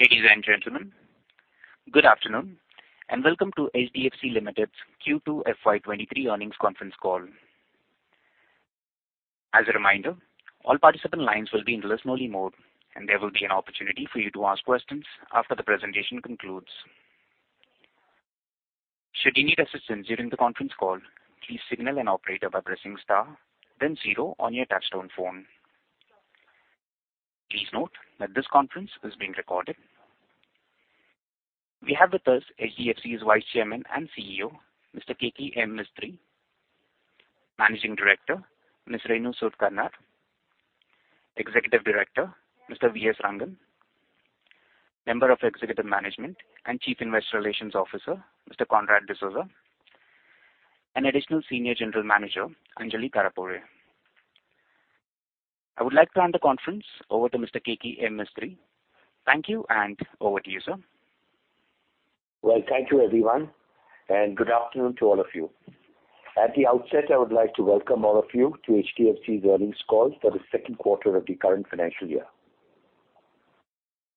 Ladies and gentlemen, good afternoon, and welcome to HDFC Limited's Q2 FY 2023 earnings conference call. As a reminder, all participant lines will be in listen-only mode, and there will be an opportunity for you to ask questions after the presentation concludes. Should you need assistance during the conference call, please signal an operator by pressing star then zero on your touchtone phone. Please note that this conference is being recorded. We have with us HDFC's Vice Chairman and CEO, Mr. Keki M. Mistry. Managing Director, Ms. Renu Sud Karnad. Executive Director, Mr. V.S. Rangan. Member of Executive Management and Chief Investor Relations Officer, Mr. Conrad D'Souza. Additional Senior General Manager, Anjalee Tarapore. I would like to hand the conference over to Mr. Keki M. Mistry. Thank you, and over to you, sir. Well, thank you, everyone, and good afternoon to all of you. At the outset, I would like to welcome all of you to HDFC's earnings call for the second quarter of the current financial year.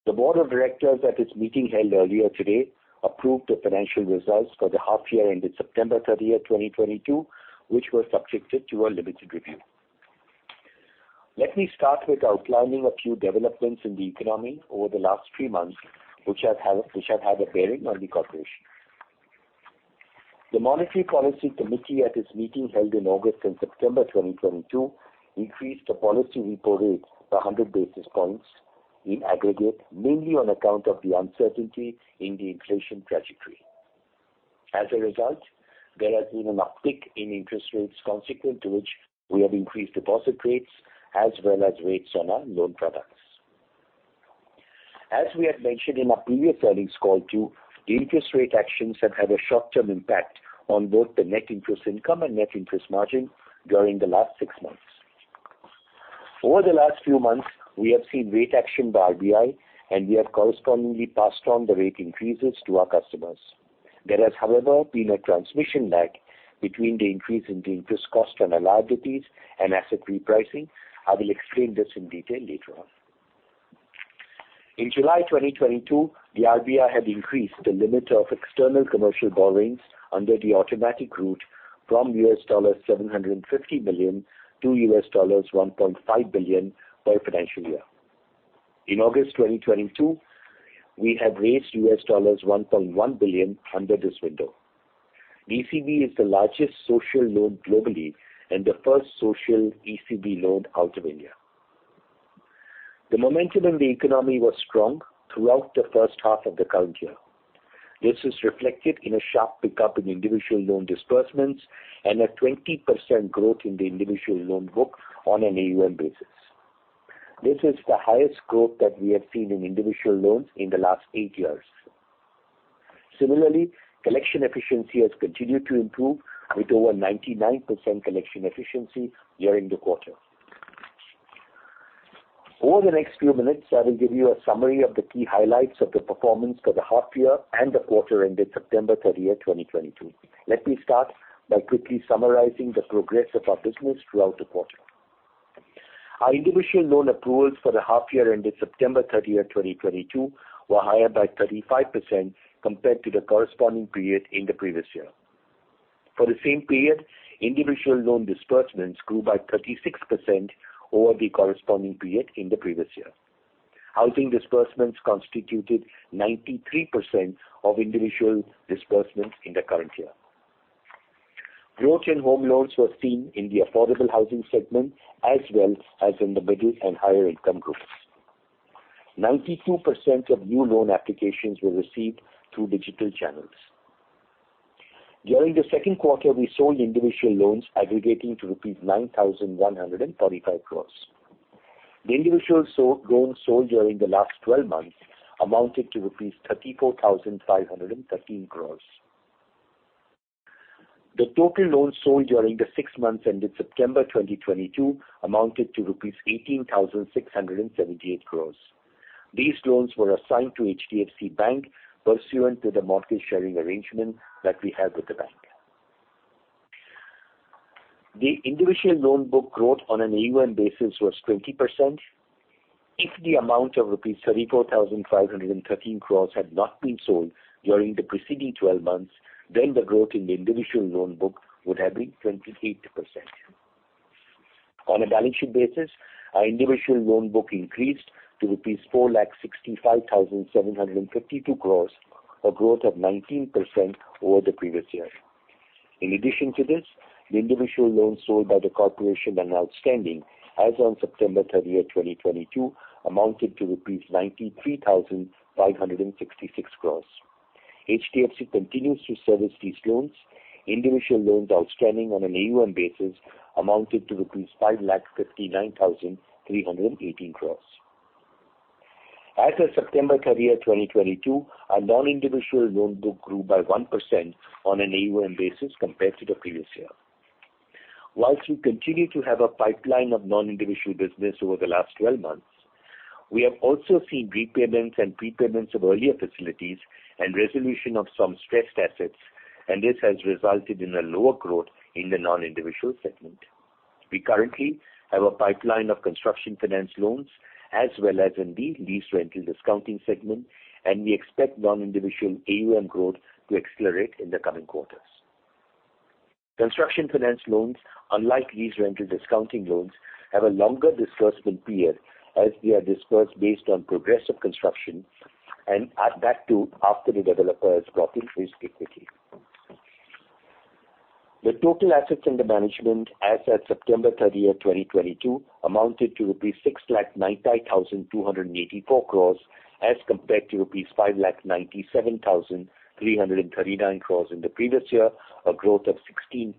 The board of directors at its meeting held earlier today approved the financial results for the half year ended September 30, 2022, which were subjected to a limited review. Let me start with outlining a few developments in the economy over the last three months which have had a bearing on the corporation. The Monetary Policy Committee at its meeting held in August and September 2022 increased the policy repo rate by 100 basis points in aggregate, mainly on account of the uncertainty in the inflation trajectory. As a result, there has been an uptick in interest rates, consequent to which we have increased deposit rates as well as rates on our loan products. As we had mentioned in our previous earnings call too, the interest rate actions have had a short-term impact on both the net interest income and net interest margin during the last six months. Over the last few months, we have seen rate action by RBI, and we have correspondingly passed on the rate increases to our customers. There has, however, been a transmission lag between the increase in the interest cost and liabilities and asset repricing. I will explain this in detail later on. In July 2022, the RBI had increased the limit of external commercial borrowings under the automatic route from $750 million to $1.5 billion per financial year. In August 2022, we have raised $1.1 billion under this window. ECB is the largest social loan globally and the first social ECB loan out of India. The momentum in the economy was strong throughout the first half of the current year. This is reflected in a sharp pickup in individual loan disbursements and a 20% growth in the individual loan book on an AUM basis. This is the highest growth that we have seen in individual loans in the last eight years. Similarly, collection efficiency has continued to improve with over 99% collection efficiency during the quarter. Over the next few minutes, I will give you a summary of the key highlights of the performance for the half year and the quarter ended September 30, 2022. Let me start by quickly summarizing the progress of our business throughout the quarter. Our individual loan approvals for the half year ended September 30, 2022 were higher by 35% compared to the corresponding period in the previous year. For the same period, individual loan disbursements grew by 36% over the corresponding period in the previous year. Housing disbursements constituted 93% of individual disbursements in the current year. Growth in home loans were seen in the affordable housing segment as well as in the middle and higher income groups. 92% of new loan applications were received through digital channels. During the second quarter, we sold individual loans aggregating to rupees 9,135 crore. The individual loans sold during the last twelve months amounted to 34,513 crore. The total loans sold during the six months ended September 2022 amounted to rupees 18,678 crore. These loans were assigned to HDFC Bank pursuant to the mortgage sharing arrangement that we have with the bank. The individual loan book growth on an AUM basis was 20%. If the amount of rupees 34,513 crore had not been sold during the preceding 12 months, then the growth in the individual loan book would have been 28%. On a balance sheet basis, our individual loan book increased to rupees 4,65,752 crore, a growth of 19% over the previous year. In addition to this, the individual loans sold by the corporation and outstanding as on September 30, 2022 amounted to INR 93,566 crore. HDFC continues to service these loans. Individual loans outstanding on an AUM basis amounted to 5,59,318 crore. As of September 30, 2022, our non-individual loan book grew by 1% on an AUM basis compared to the previous year. While we continue to have a pipeline of non-individual business over the last 12 months, we have also seen repayments and prepayments of earlier facilities and resolution of some stressed assets, and this has resulted in a lower growth in the non-individual segment. We currently have a pipeline of construction finance loans as well as in the lease rental discounting segment, and we expect non-individual AUM growth to accelerate in the coming quarters. Construction finance loans, unlike lease rental discounting loans, have a longer disbursement period as they are disbursed based on progressive construction and that too after the developer has brought in his equity. The total assets under management as at September 30, 2022 amounted to 6,90,284 crore as compared to rupees 5,97,339 crore in the previous year, a growth of 16%.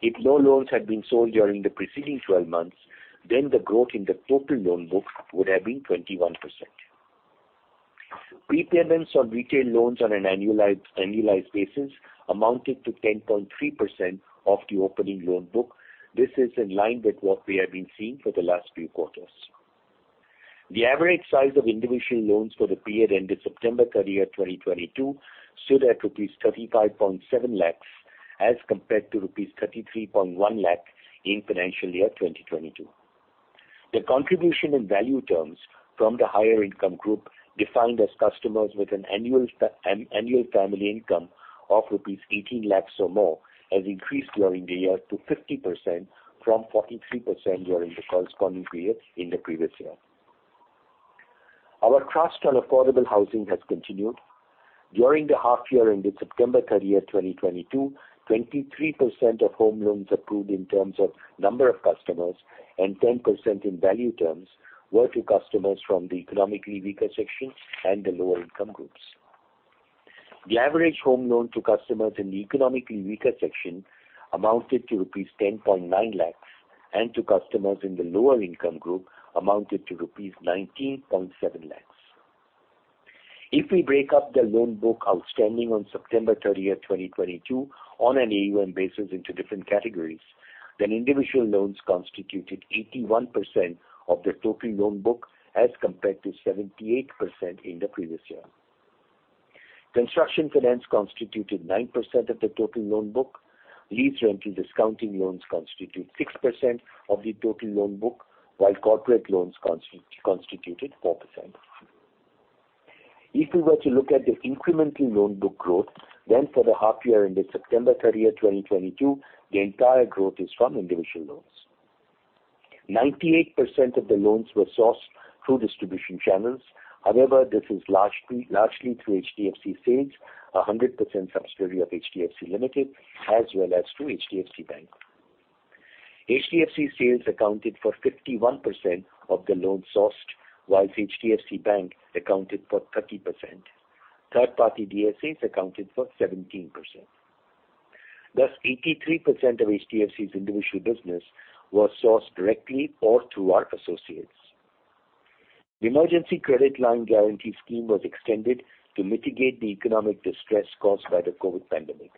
If no loans had been sold during the preceding twelve months, then the growth in the total loan book would have been 21%. Prepayments on retail loans on an annualized basis amounted to 10.3% of the opening loan book. This is in line with what we have been seeing for the last few quarters. The average size of individual loans for the period ended September 30, 2022 stood at rupees 35.7 lakh as compared to rupees 33.1 lakh in financial year 2022. The contribution in value terms from the higher income group, defined as customers with an annual family income of rupees 18 lakhs or more, has increased during the year to 50% from 43% during the corresponding period in the previous year. Our thrust on affordable housing has continued. During the half year ended September 30, 2022, 23% of home loans approved in terms of number of customers and 10% in value terms were to customers from the economically weaker section and the lower income groups. The average home loan to customers in the economically weaker section amounted to rupees 10.9 lakhs, and to customers in the lower income group amounted to rupees 19.7 lakhs. If we break up the loan book outstanding on September 30, 2022 on an AUM basis into different categories, then individual loans constituted 81% of the total loan book as compared to 78% in the previous year. Construction finance constituted 9% of the total loan book. Lease rental discounting loans constitute 6% of the total loan book, while corporate loans constituted 4%. If we were to look at the incremental loan book growth, then for the half year ended September 30, 2022, the entire growth is from individual loans. 98% of the loans were sourced through distribution channels. However, this is largely through HDFC Sales, a 100% subsidiary of HDFC Limited, as well as through HDFC Bank. HDFC Sales accounted for 51% of the loans sourced, whilst HDFC Bank accounted for 30%. Third-party DSAs accounted for 17%. Thus, 83% of HDFC's individual business was sourced directly or through our associates. The Emergency Credit Line Guarantee Scheme was extended to mitigate the economic distress caused by the COVID pandemic.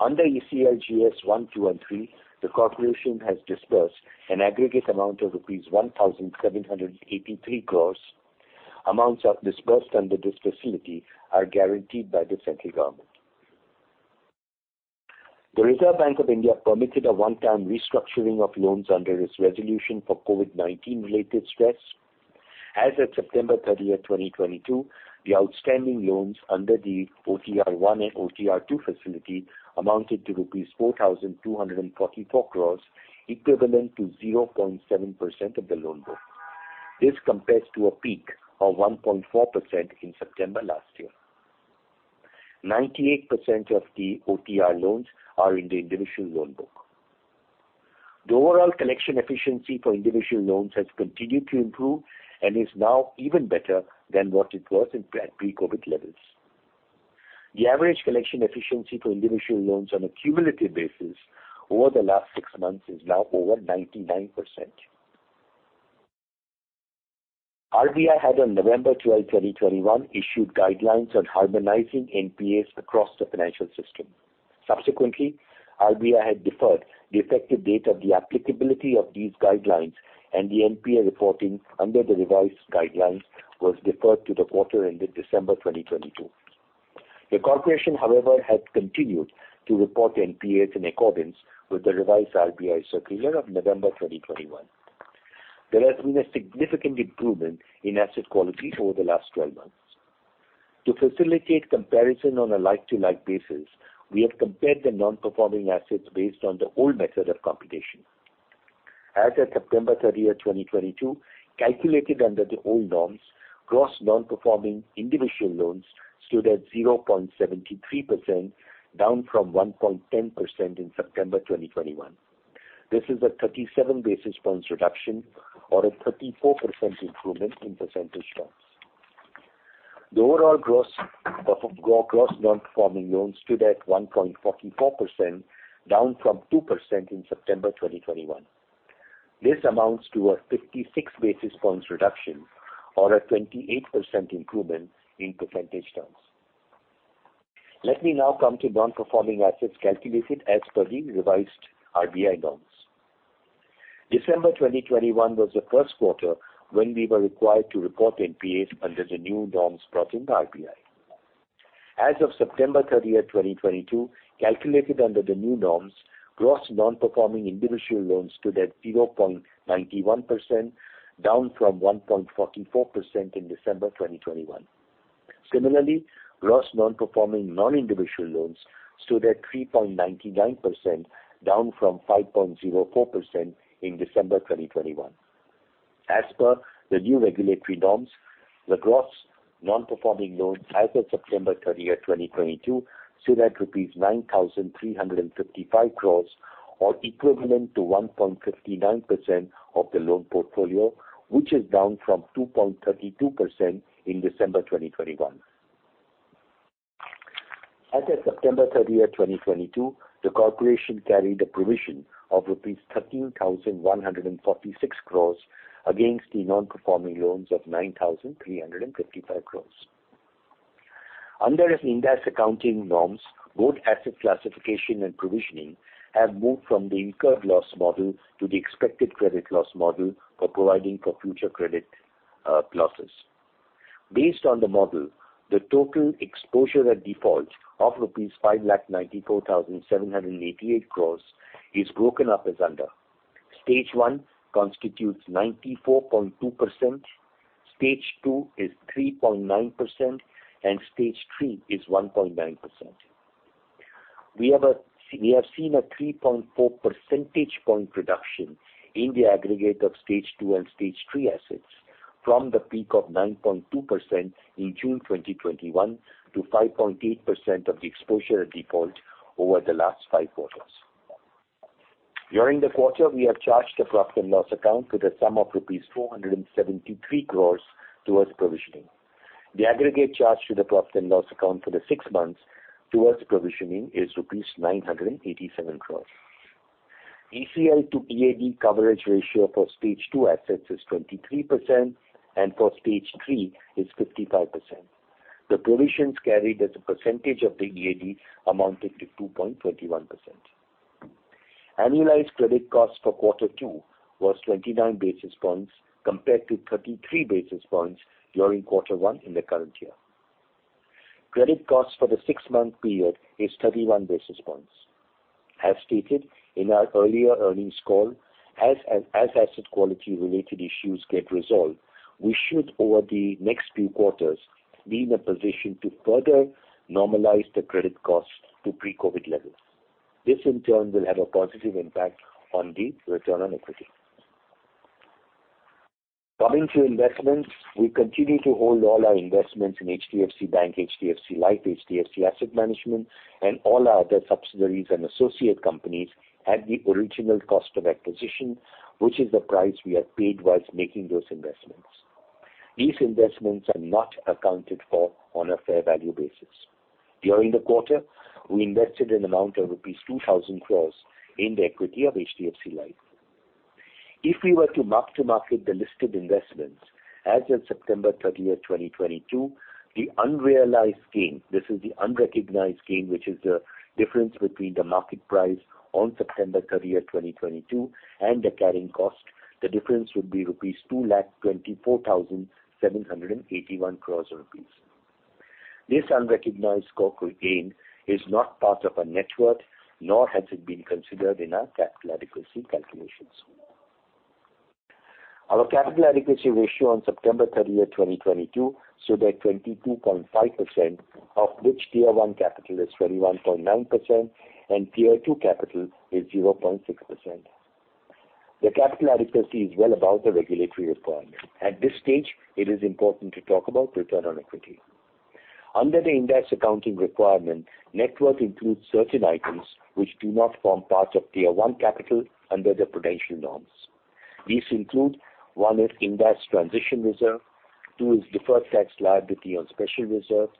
Under ECLGS One, Two, and Three, the corporation has disbursed an aggregate amount of rupees 1,783 crores. Amounts disbursed under this facility are guaranteed by the central government. The Reserve Bank of India permitted a one-time restructuring of loans under its resolution for COVID-19 related stress. As at September 30, 2022, the outstanding loans under the OTR One and OTR Two facility amounted to rupees 4,244 crores, equivalent to 0.7% of the loan book. This compares to a peak of 1.4% in September last year. 98% of the OTR loans are in the individual loan book. The overall collection efficiency for individual loans has continued to improve and is now even better than what it was in pre-COVID levels. The average collection efficiency for individual loans on a cumulative basis over the last six months is now over 99%. RBI had on November 12, 2021, issued guidelines on harmonizing NPAs across the financial system. Subsequently, RBI had deferred the effective date of the applicability of these guidelines, and the NPA reporting under the revised guidelines was deferred to the quarter ended December 2022. The corporation, however, has continued to report NPAs in accordance with the revised RBI circular of November 2021. There has been a significant improvement in asset quality over the last 12 months. To facilitate comparison on a like-to-like basis, we have compared the non-performing assets based on the old method of computation. As of September 30, 2022, calculated under the old norms, gross non-performing individual loans stood at 0.73%, down from 1.10% in September 2021. This is a 37 basis points reduction or a 34% improvement in percentage terms. The overall gross non-performing loans stood at 1.44%, down from 2% in September 2021. This amounts to a 56 basis points reduction or a 28% improvement in percentage terms. Let me now come to non-performing assets calculated as per the revised RBI norms. December 2021 was the first quarter when we were required to report NPAs under the new norms brought in by RBI. As of September 30, 2022, calculated under the new norms, gross non-performing individual loans stood at 0.91%, down from 1.44% in December 2021. Similarly, gross non-performing non-individual loans stood at 3.99%, down from 5.04% in December 2021. As per the new regulatory norms, the gross non-performing loans as of September 30, 2022, stood at rupees 9,355 crores or equivalent to 1.59% of the loan portfolio, which is down from 2.32% in December 2021. As of September 30, 2022, the corporation carried a provision of rupees 13,146 crores against the non-performing loans of 9,355 crores. Under Ind AS accounting norms, both asset classification and provisioning have moved from the incurred loss model to the expected credit loss model for providing for future credit losses. Based on the model, the total exposure at default of rupees 5,94,788 crore is broken up as under. Stage one constitutes 94.2%, stage two is 3.9%, and stage three is 1.9%. We have seen a 3.4 percentage point reduction in the aggregate of stage two and stage three assets from the peak of 9.2% in June 2021 to 5.8% of the exposure at default over the last five quarters. During the quarter, we have charged the profit and loss account to the sum of rupees 473 crore towards provisioning. The aggregate charge to the profit and loss account for the six months towards provisioning is rupees 987 crore. ECL to EAD coverage ratio for stage two assets is 23% and for stage three is 55%. The provisions carried as a percentage of the EAD amounted to 2.21%. Annualized credit costs for quarter two was 29 basis points compared to 33 basis points during quarter one in the current year. Credit costs for the six-month period is 31 basis points. As stated in our earlier earnings call, as asset quality-related issues get resolved, we should, over the next few quarters, be in a position to further normalize the credit costs to pre-COVID levels. This, in turn, will have a positive impact on the return on equity. Coming to investments, we continue to hold all our investments in HDFC Bank, HDFC Life, HDFC Asset Management, and all our other subsidiaries and associate companies at the original cost of acquisition, which is the price we had paid while making those investments. These investments are not accounted for on a fair value basis. During the quarter, we invested an amount of rupees 2,000 crores in the equity of HDFC Life. If we were to mark-to-market the listed investments as of September 30, 2022, the unrealized gain. This is the unrecognized gain which is the difference between the market price on September 30, 2022, and the carrying cost. The difference would be 2,24,781 crores rupees. This unrecognized gain is not part of our net worth, nor has it been considered in our capital adequacy calculations. Our capital adequacy ratio on September 30, 2022, stood at 22.5%, of which Tier 1 capital is 21.9% and Tier 2 capital is 0.6%. The capital adequacy is well above the regulatory requirement. At this stage, it is important to talk about return on equity. Under the Ind AS accounting requirement, net worth includes certain items which do not form part of Tier 1 capital under the prudential norms. These include, one is Ind AS transition reserve, two is deferred tax liability on special reserve,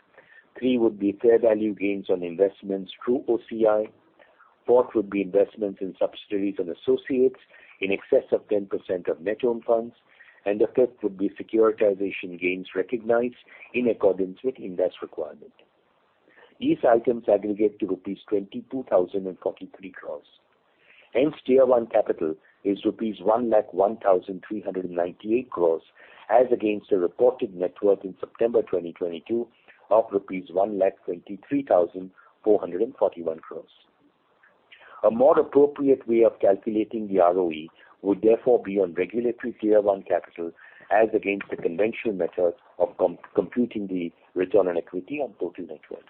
three would be fair value gains on investments through OCI, four would be investments in subsidiaries and associates in excess of 10% of net own funds, and the fifth would be securitization gains recognized in accordance with Ind AS requirement. These items aggregate to rupees 22,043 crore. Hence, Tier 1 capital is rupees 1,01,398 crore as against the reported net worth in September 2022 of rupees 1,23,441 crore. A more appropriate way of calculating the ROE would therefore be on regulatory Tier 1 capital as against the conventional method of computing the return on equity on total net worth.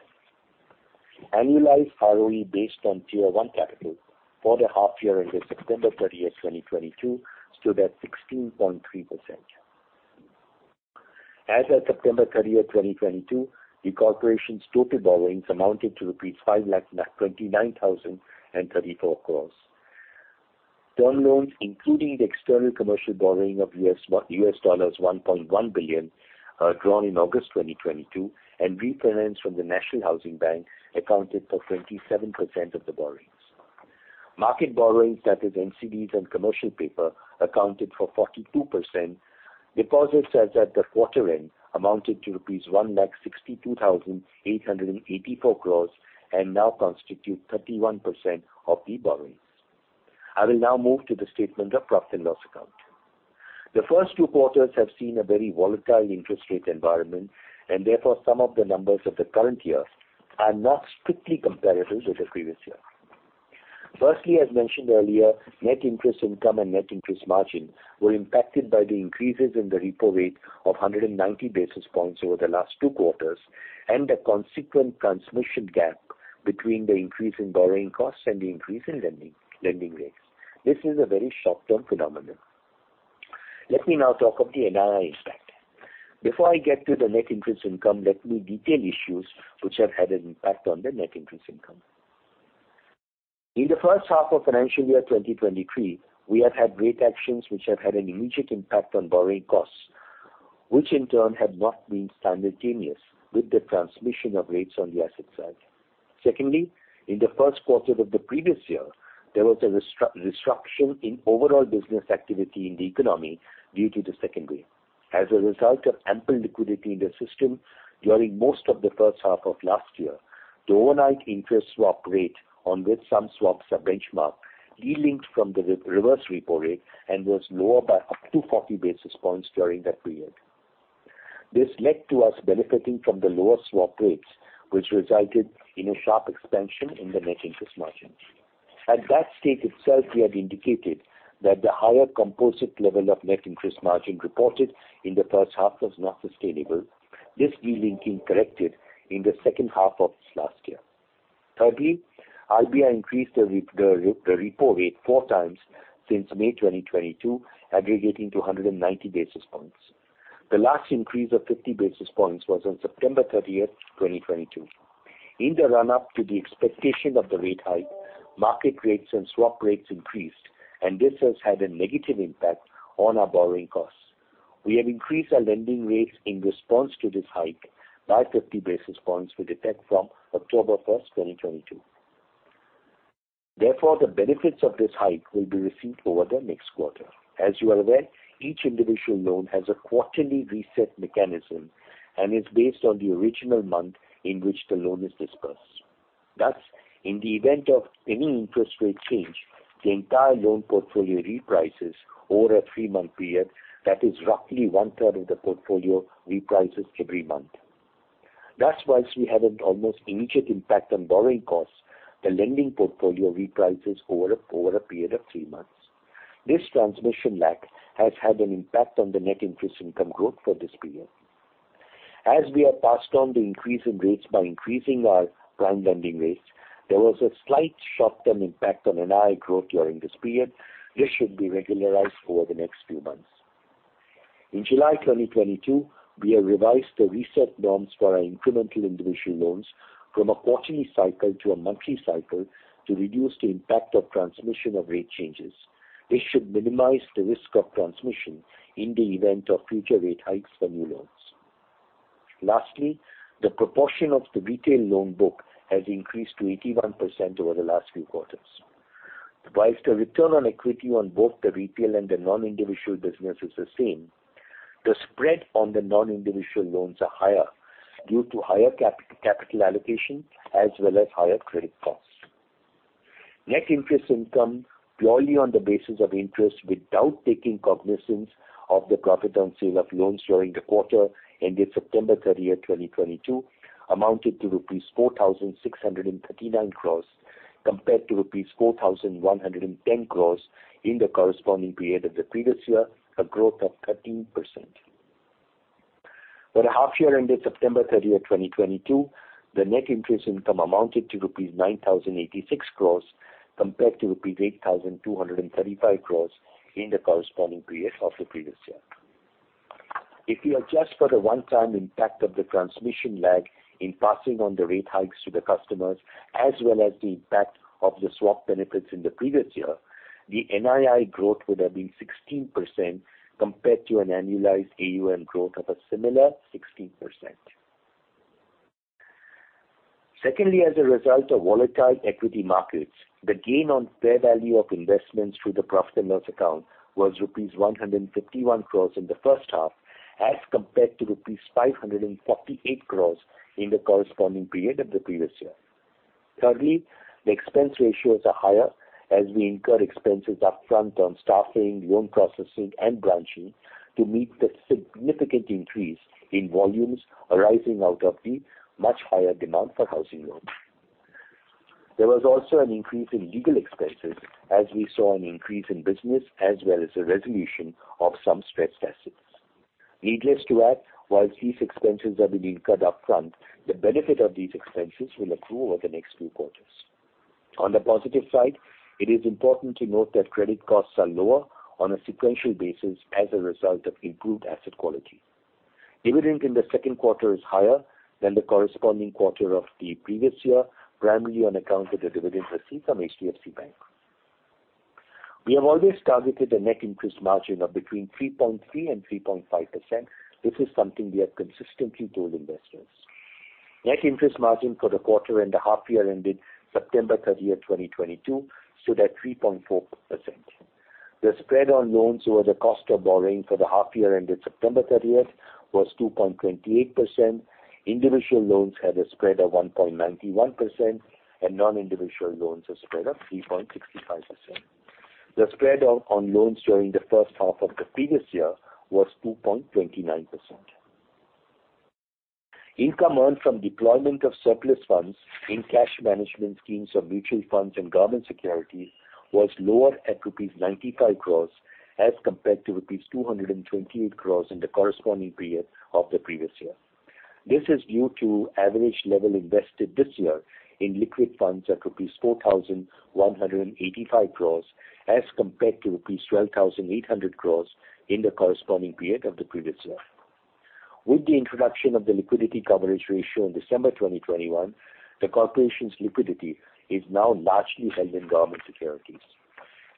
Annualized ROE based on Tier 1 capital for the half year ended September 30, 2022, stood at 16.3%. As of September 30, 2022, the corporation's total borrowings amounted to rupees 5,29,034 crore. Term loans, including the external commercial borrowing of $1.1 billion drawn in August 2022 and refinanced from the National Housing Bank accounted for 27% of the borrowings. Market borrowings, that is NCDs and commercial paper, accounted for 42%. Deposits as at the quarter end amounted to rupees 1,62,884 crores and now constitute 31% of the borrowings. I will now move to the statement of profit and loss account. The first two quarters have seen a very volatile interest rate environment and therefore some of the numbers of the current year are not strictly comparatives of the previous year. Firstly, as mentioned earlier, net interest income and net interest margin were impacted by the increases in the repo rate of 190 basis points over the last two quarters and a consequent transmission gap between the increase in borrowing costs and the increase in lending rates. This is a very short-term phenomenon. Let me now talk of the NII impact. Before I get to the net interest income, let me detail issues which have had an impact on the net interest income. In the first half of financial year 2023, we have had rate actions which have had an immediate impact on borrowing costs, which in turn have not been simultaneous with the transmission of rates on the asset side. Secondly, in the first quarter of the previous year, there was a restriction in overall business activity in the economy due to the second wave. As a result of ample liquidity in the system during most of the first half of last year, the overnight interest swap rate on which some swaps are benchmarked de-linked from the reverse repo rate and was lower by up to 40 basis points during that period. This led to us benefiting from the lower swap rates, which resulted in a sharp expansion in the net interest margin. At that stage itself, we had indicated that the higher composite level of net interest margin reported in the first half was not sustainable. This de-linking corrected in the second half of last year. Thirdly, RBI increased the repo rate four times since May 2022, aggregating to 190 basis points. The last increase of 50 basis points was on September 30, 2022. In the run-up to the expectation of the rate hike, market rates and swap rates increased, and this has had a negative impact on our borrowing costs. We have increased our lending rates in response to this hike by 50 basis points with effect from October 1, 2022. Therefore, the benefits of this hike will be received over the next quarter. As you are aware, each individual loan has a quarterly reset mechanism and is based on the original month in which the loan is disbursed. Thus, in the event of any interest rate change, the entire loan portfolio reprices over a three-month period, that is roughly one-third of the portfolio reprices every month. Thus, while we have an almost immediate impact on borrowing costs, the lending portfolio reprices over a period of three months. This transmission lag has had an impact on the net interest income growth for this period. As we have passed on the increase in rates by increasing our prime lending rates, there was a slight short-term impact on NII growth during this period. This should be regularized over the next few months. In July 2022, we have revised the reset norms for our incremental individual loans from a quarterly cycle to a monthly cycle to reduce the impact of transmission of rate changes. This should minimize the risk of transmission in the event of future rate hikes for new loans. Lastly, the proportion of the retail loan book has increased to 81% over the last few quarters. While the return on equity on both the retail and the non-individual business is the same, the spread on the non-individual loans are higher due to higher capital allocation as well as higher credit costs. Net interest income purely on the basis of interest without taking cognizance of the profit on sale of loans during the quarter ended September 30, 2022, amounted to rupees 4,639 crores compared to rupees 4,110 crores in the corresponding period of the previous year, a growth of 13%. For the half year ended September 30, 2022, the net interest income amounted to rupees 9,086 crores compared to rupees 8,235 crores in the corresponding period of the previous year. If you adjust for the one-time impact of the transmission lag in passing on the rate hikes to the customers as well as the impact of the swap benefits in the previous year, the NII growth would have been 16% compared to an annualized AUM growth of a similar 16%. Secondly, as a result of volatile equity markets, the gain on fair value of investments through the profit and loss account was rupees 151 crore in the first half as compared to rupees 548 crore in the corresponding period of the previous year. Thirdly, the expense ratios are higher as we incur expenses upfront on staffing, loan processing and branching to meet the significant increase in volumes arising out of the much higher demand for housing loans. There was also an increase in legal expenses as we saw an increase in business as well as a resolution of some stretched assets. Needless to add, while these expenses are being incurred upfront, the benefit of these expenses will accrue over the next few quarters. On the positive side, it is important to note that credit costs are lower on a sequential basis as a result of improved asset quality. Dividend in the second quarter is higher than the corresponding quarter of the previous year, primarily on account of the dividend received from HDFC Bank. We have always targeted a net interest margin of between 3.3% and 3.5%. This is something we have consistently told investors. Net interest margin for the quarter and the half year ended September 30, 2022 stood at 3.4%. The spread on loans over the cost of borrowing for the half year ended September 30, 2022 was 2.28%. Individual loans had a spread of 1.91% and non-individual loans a spread of 3.65%. The spread on loans during the first half of the previous year was 2.29%. Income earned from deployment of surplus funds in cash management schemes or mutual funds and government securities was lower at rupees 95 crore as compared to rupees 228 crore in the corresponding period of the previous year. This is due to average level invested this year in liquid funds at rupees 4,185 crore as compared to rupees 12,800 crore in the corresponding period of the previous year. With the introduction of the liquidity coverage ratio in December 2021, the corporation's liquidity is now largely held in government securities.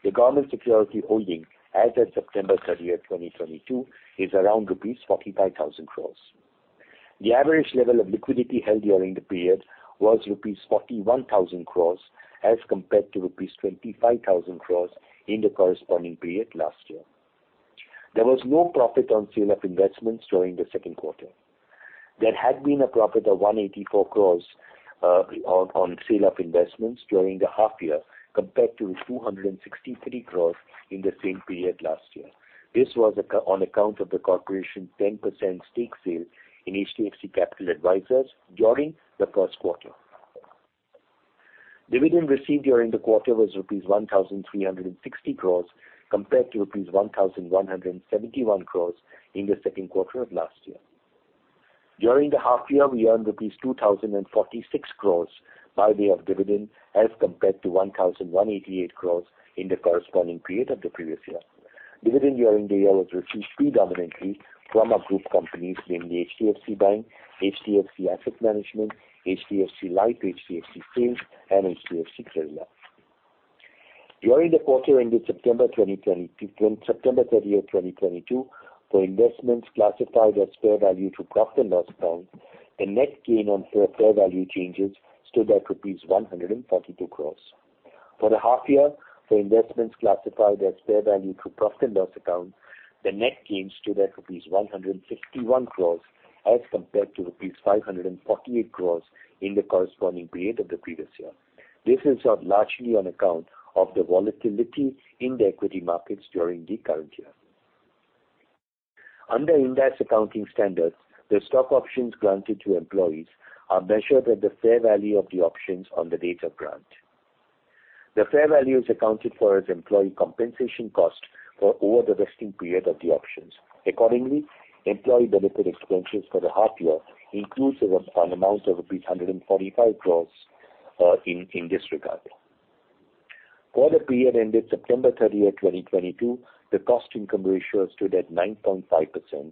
The government security holding as at September 30, 2022 is around rupees 45,000 crore. The average level of liquidity held during the period was rupees 41,000 crore as compared to rupees 25,000 crore in the corresponding period last year. There was no profit on sale of investments during the second quarter. There had been a profit of 184 crore on sale of investments during the half year compared to 263 crore in the same period last year. This was on account of the corporation 10% stake sale in HDFC Capital Advisors during the first quarter. Dividend received during the quarter was INR 1,360 crore compared to INR 1,171 crore in the second quarter of last year. During the half year, we earned INR 2,046 crores by way of dividend as compared to 1,188 crores in the corresponding period of the previous year. Dividend during the year was received predominantly from our group companies, namely HDFC Bank, HDFC Asset Management, HDFC Life, HDFC Sales, and HDFC Credila.. During the quarter ended September 30, 2022, for investments classified as fair value through profit and loss account, the net gain on fair value changes stood at INR 142 crores. For the half year, for investments classified as fair value through profit and loss account, the net gain stood at rupees 151 crores as compared to rupees 548 crores in the corresponding period of the previous year. This is largely on account of the volatility in the equity markets during the current year. Under Ind AS accounting standards, the stock options granted to employees are measured at the fair value of the options on the date of grant. The fair value is accounted for as employee compensation cost over the vesting period of the options. Accordingly, employee benefit expenses for the half year includes of an amount of rupees 145 crores in this regard. For the period ended September 30, 2022, the cost income ratio stood at 9.5%.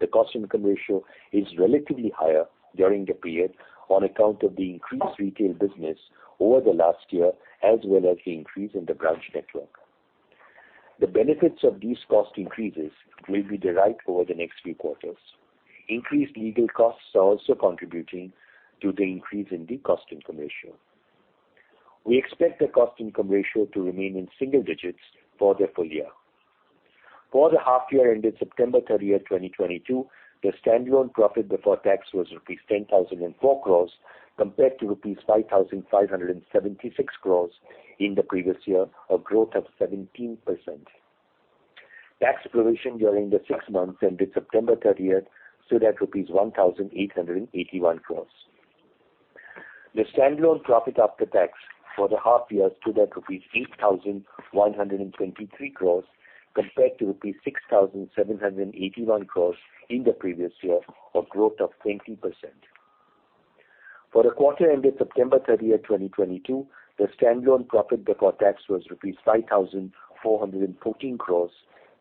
The cost income ratio is relatively higher during the period on account of the increased retail business over the last year as well as the increase in the branch network. The benefits of these cost increases will be derived over the next few quarters. Increased legal costs are also contributing to the increase in the cost income ratio. We expect the cost income ratio to remain in single digits for the full year. For the half year ended September 30, 2022, the standalone profit before tax was rupees 10,004 crores compared to rupees 5,576 crores in the previous year, a growth of 17%. Tax provision during the six months ended September 30 stood at rupees 1,881 crores. The standalone profit after tax for the half year stood at rupees 8,123 crores compared to rupees 6,781 crores in the previous year, a growth of 20%. For the quarter ended September 30, 2022, the standalone profit before tax was rupees 5,414 crores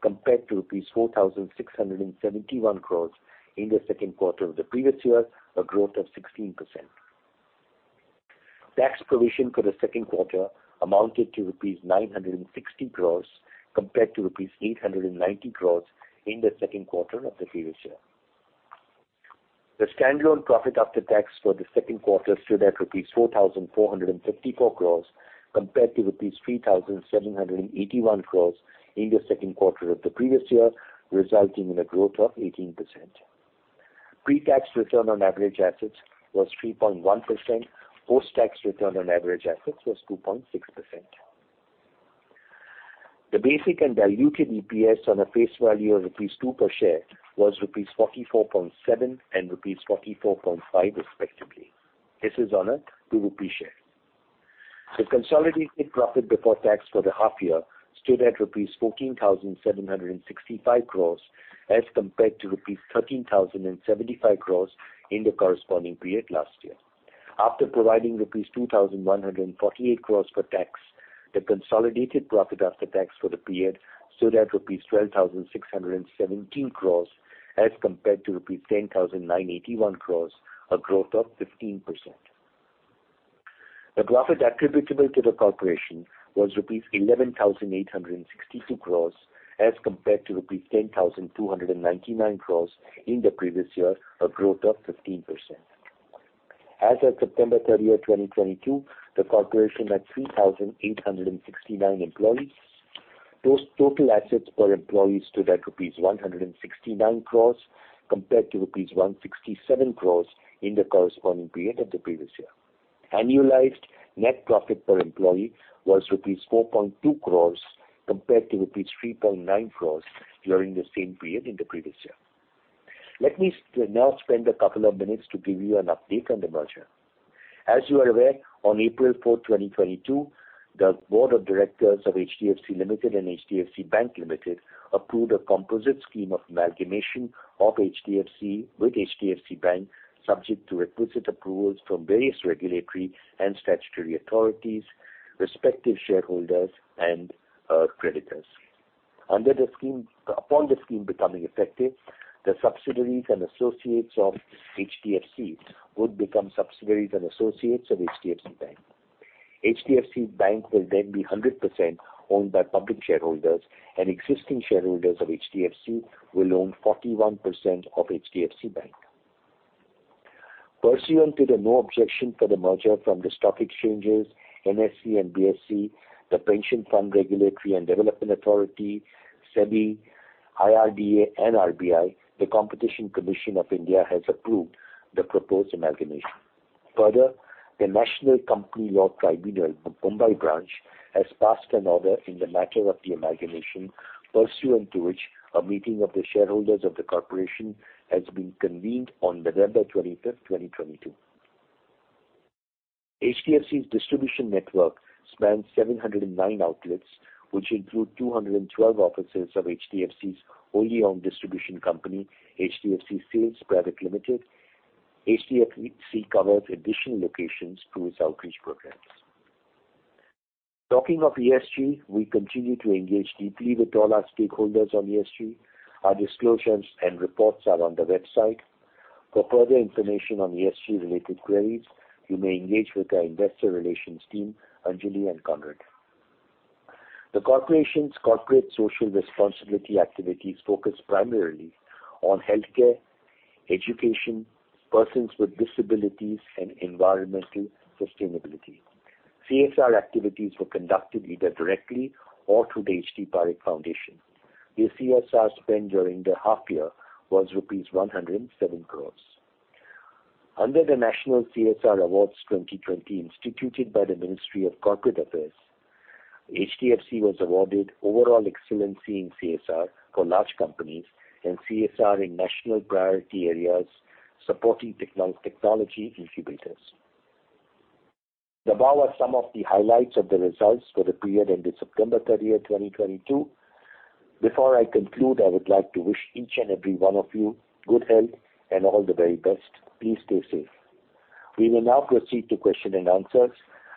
compared to rupees 4,671 crores in the second quarter of the previous year, a growth of 16%. Tax provision for the second quarter amounted to rupees 960 crores compared to rupees 890 crores in the second quarter of the previous year. The standalone profit after tax for the second quarter stood at 4,454 crores compared to 3,781 crores in the second quarter of the previous year, resulting in a growth of 18%. Pre-tax return on average assets was 3.1%. Post-tax return on average assets was 2.6%. The basic and diluted EPS on a face value of rupees 2 per share was rupees 44.7 and rupees 44.5 respectively. This is on a 2 rupee share. The consolidated profit before tax for the half year stood at rupees 14,765 crores as compared to rupees 13,075 crores in the corresponding period last year. After providing rupees 2,148 crores for tax, the consolidated profit after tax for the period stood at rupees 12,617 crores as compared to rupees 10,981 crores, a growth of 15%. The profit attributable to the corporation was 11,862 crores rupees as compared to 10,299 crores rupees in the previous year, a growth of 15%. As of September 30, 2022, the corporation had 3,869 employees. Total assets per employee stood at INR 169 crores compared to INR 167 crores in the corresponding period of the previous year. Annualized net profit per employee was rupees 4.2 crores compared to rupees 3.9 crores during the same period in the previous year. Let me now spend a couple of minutes to give you an update on the merger. As you are aware, on April 4, 2022, the board of directors of HDFC Limited and HDFC Bank Limited approved a composite scheme of amalgamation of HDFC with HDFC Bank, subject to requisite approvals from various regulatory and statutory authorities, respective shareholders and creditors. Under the scheme... Upon the scheme becoming effective, the subsidiaries and associates of HDFC would become subsidiaries and associates of HDFC Bank. HDFC Bank will then be 100% owned by public shareholders and existing shareholders of HDFC will own 41% of HDFC Bank. Pursuant to the no objection for the merger from the stock exchanges, NSE and BSE, the Pension Fund Regulatory and Development Authority, SEBI, IRDA and RBI, the Competition Commission of India has approved the proposed amalgamation. Further, the National Company Law Tribunal, the Mumbai branch, has passed an order in the matter of the amalgamation pursuant to which a meeting of the shareholders of the corporation has been convened on November 25, 2022. HDFC's distribution network spans 709 outlets, which include 212 offices of HDFC's wholly owned distribution company, HDFC Sales Private Limited. HDFC covers additional locations through its outreach programs. Talking of ESG, we continue to engage deeply with all our stakeholders on ESG. Our disclosures and reports are on the website. For further information on ESG-related queries, you may engage with our investor relations team, Anjali and Conrad. The corporation's corporate social responsibility activities focus primarily on healthcare, education, persons with disabilities and environmental sustainability. CSR activities were conducted either directly or through the H.T. Parekh Foundation. The CSR spend during the half year was rupees 107 crores. Under the National CSR Awards 2020, instituted by the Ministry of Corporate Affairs, HDFC was awarded overall excellence in CSR for large companies and CSR in national priority areas supporting technology incubators. The above are some of the highlights of the results for the period ended September 30th, 2022. Before I conclude, I would like to wish each and every one of you good health and all the very best. Please stay safe. We will now proceed to question and answers.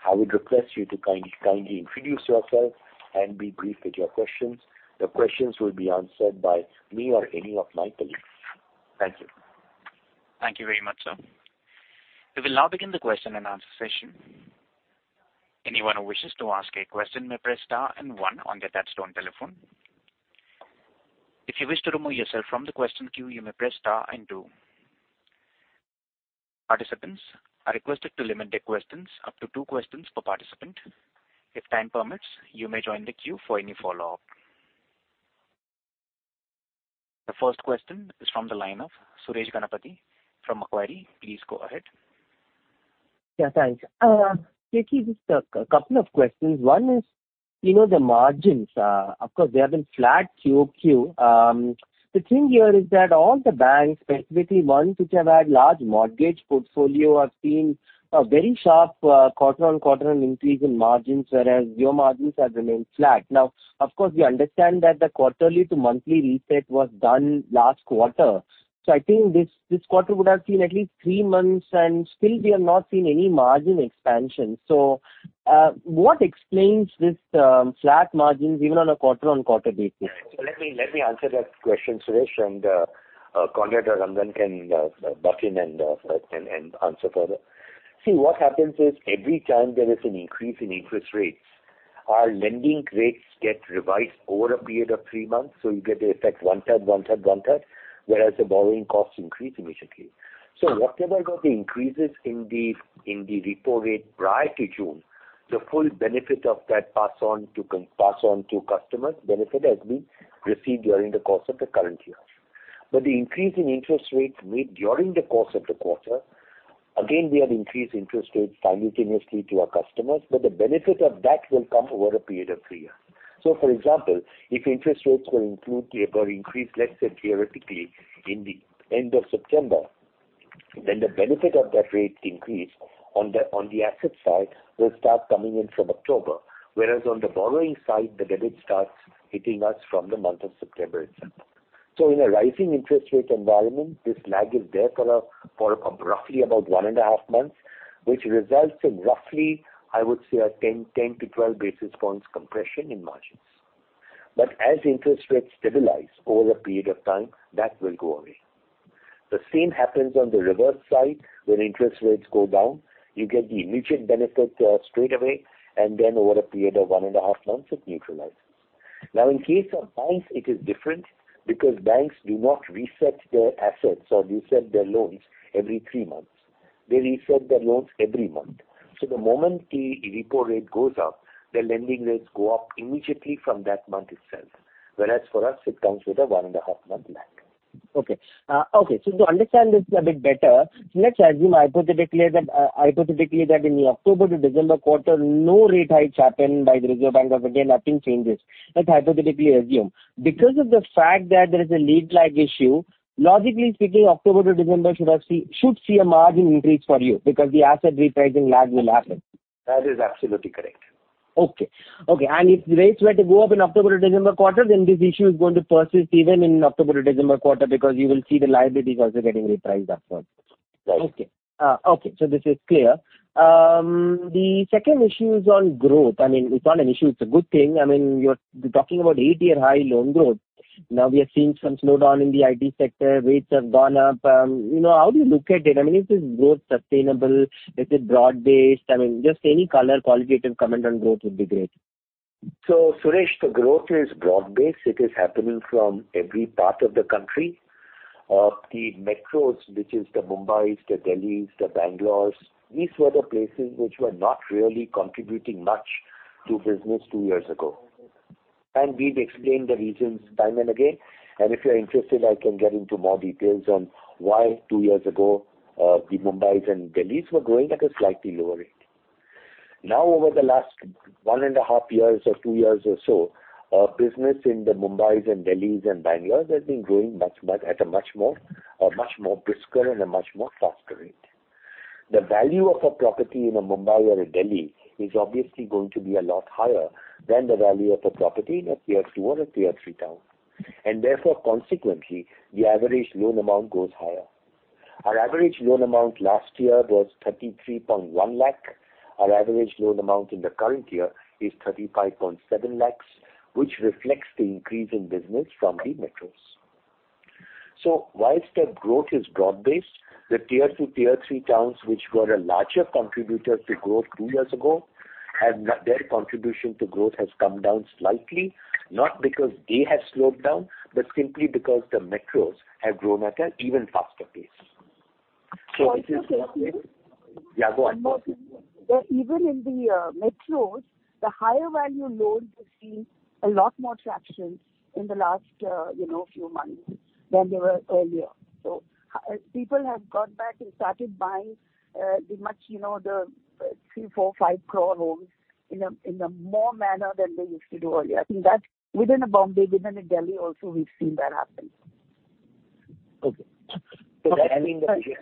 I would request you to kindly introduce yourself and be brief with your questions. The questions will be answered by me or any of my colleagues. Thank you. Thank you very much, sir. We will now begin the question and answer session. Anyone who wishes to ask a question may press star and one on their touchtone telephone. If you wish to remove yourself from the question queue, you may press star and two. Participants are requested to limit their questions up to two questions per participant. If time permits, you may join the queue for any follow-up. The first question is from the line of Suresh Ganapathy from Macquarie. Please go ahead. Yeah, thanks. Keki, just a couple of questions. One is, you know, the margins, of course, they have been flat QoQ. The thing here is that all the banks, specifically ones which have had large mortgage portfolio, have seen a very sharp, quarter-over-quarter increase in margins, whereas your margins have remained flat. Now, of course, we understand that the quarterly to monthly reset was done last quarter. I think this quarter would have seen at least three months, and still we have not seen any margin expansion. What explains this, flat margins even on a quarter-over-quarter basis? Let me answer that question, Suresh, and Conrad or Rangan can butt in and answer further. See, what happens is every time there is an increase in interest rates, our lending rates get revised over a period of three months. You get the effect one-third, one-third, one-third, whereas the borrowing costs increase immediately. Whatever the increases in the repo rate prior to June, the full benefit of that pass-on to customers, benefit has been received during the course of the current year. The increase in interest rates made during the course of the quarter, again, we have increased interest rates simultaneously to our customers, but the benefit of that will come over a period of three years. For example, if interest rates were improved or increased, let's say theoretically, in the end of September, then the benefit of that rate increase on the asset side will start coming in from October, whereas on the borrowing side, the debit starts hitting us from the month of September itself. In a rising interest rate environment, this lag is there for roughly about one and a half months, which results in roughly, I would say, 10 to 12 basis points compression in margins. But as interest rates stabilize over a period of time, that will go away. The same happens on the reverse side when interest rates go down, you get the immediate benefit, straight away, and then over a period of one and a half months it neutralizes. Now, in case of banks it is different because banks do not reset their assets or reset their loans every three months. They reset their loans every month. The moment the repo rate goes up, their lending rates go up immediately from that month itself. Whereas for us, it comes with a 1.5-month lag. Okay, to understand this a bit better, let's assume hypothetically that in the October to December quarter, no rate hikes happened by the Reserve Bank of India, nothing changes. Let's hypothetically assume. Because of the fact that there is a lead lag issue, logically speaking, October to December should see a margin increase for you because the asset repricing lag will happen. That is absolutely correct. If the rates were to go up in October to December quarter, then this issue is going to persist even in October to December quarter because you will see the liabilities also getting repriced as well. Okay, this is clear. The second issue is on growth. I mean, it's not an issue, it's a good thing. I mean, you're talking about eight-year high loan growth. Now, we have seen some slowdown in the IT sector, rates have gone up. You know, how do you look at it? I mean, is this growth sustainable? Is it broad-based? I mean, just any color qualitative comment on growth would be great. Suresh, the growth is broad-based. It is happening from every part of the country. The metros, which is the Mumbai's, the Delhi's, the Bangalore's, these were the places which were not really contributing much to business two years ago. We've explained the reasons time and again, and if you're interested, I can get into more details on why two years ago, the Mumbai's and Delhi's were growing at a slightly lower rate. Now, over the last one and a half years or two years or so, business in the Mumbai's and Delhi's and Bangalore's have been growing at a much more brisker and much faster rate. The value of a property in a Mumbai or a Delhi is obviously going to be a lot higher than the value of a property in a Tier 2 or a Tier 3 town. Therefore, consequently, the average loan amount goes higher. Our average loan amount last year was 33.1 lakh. Our average loan amount in the current year is 35.7 lakhs, which reflects the increase in business from the metros. While the growth is broad-based, the Tier 2, Tier 3 towns which were a larger contributor to growth two years ago, their contribution to growth has come down slightly, not because they have slowed down, but simply because the metros have grown at an even faster pace. Can I just say something? Yeah, go on. One more thing. Even in the metros, the higher value loans have seen a lot more traction in the last few months than they were earlier. People have got back and started buying the 3 crore, 4 crore, 5 crore homes in a more manner than they used to do earlier. I think that within Mumbai, within Delhi also we've seen that happen. Okay. I mean Sorry.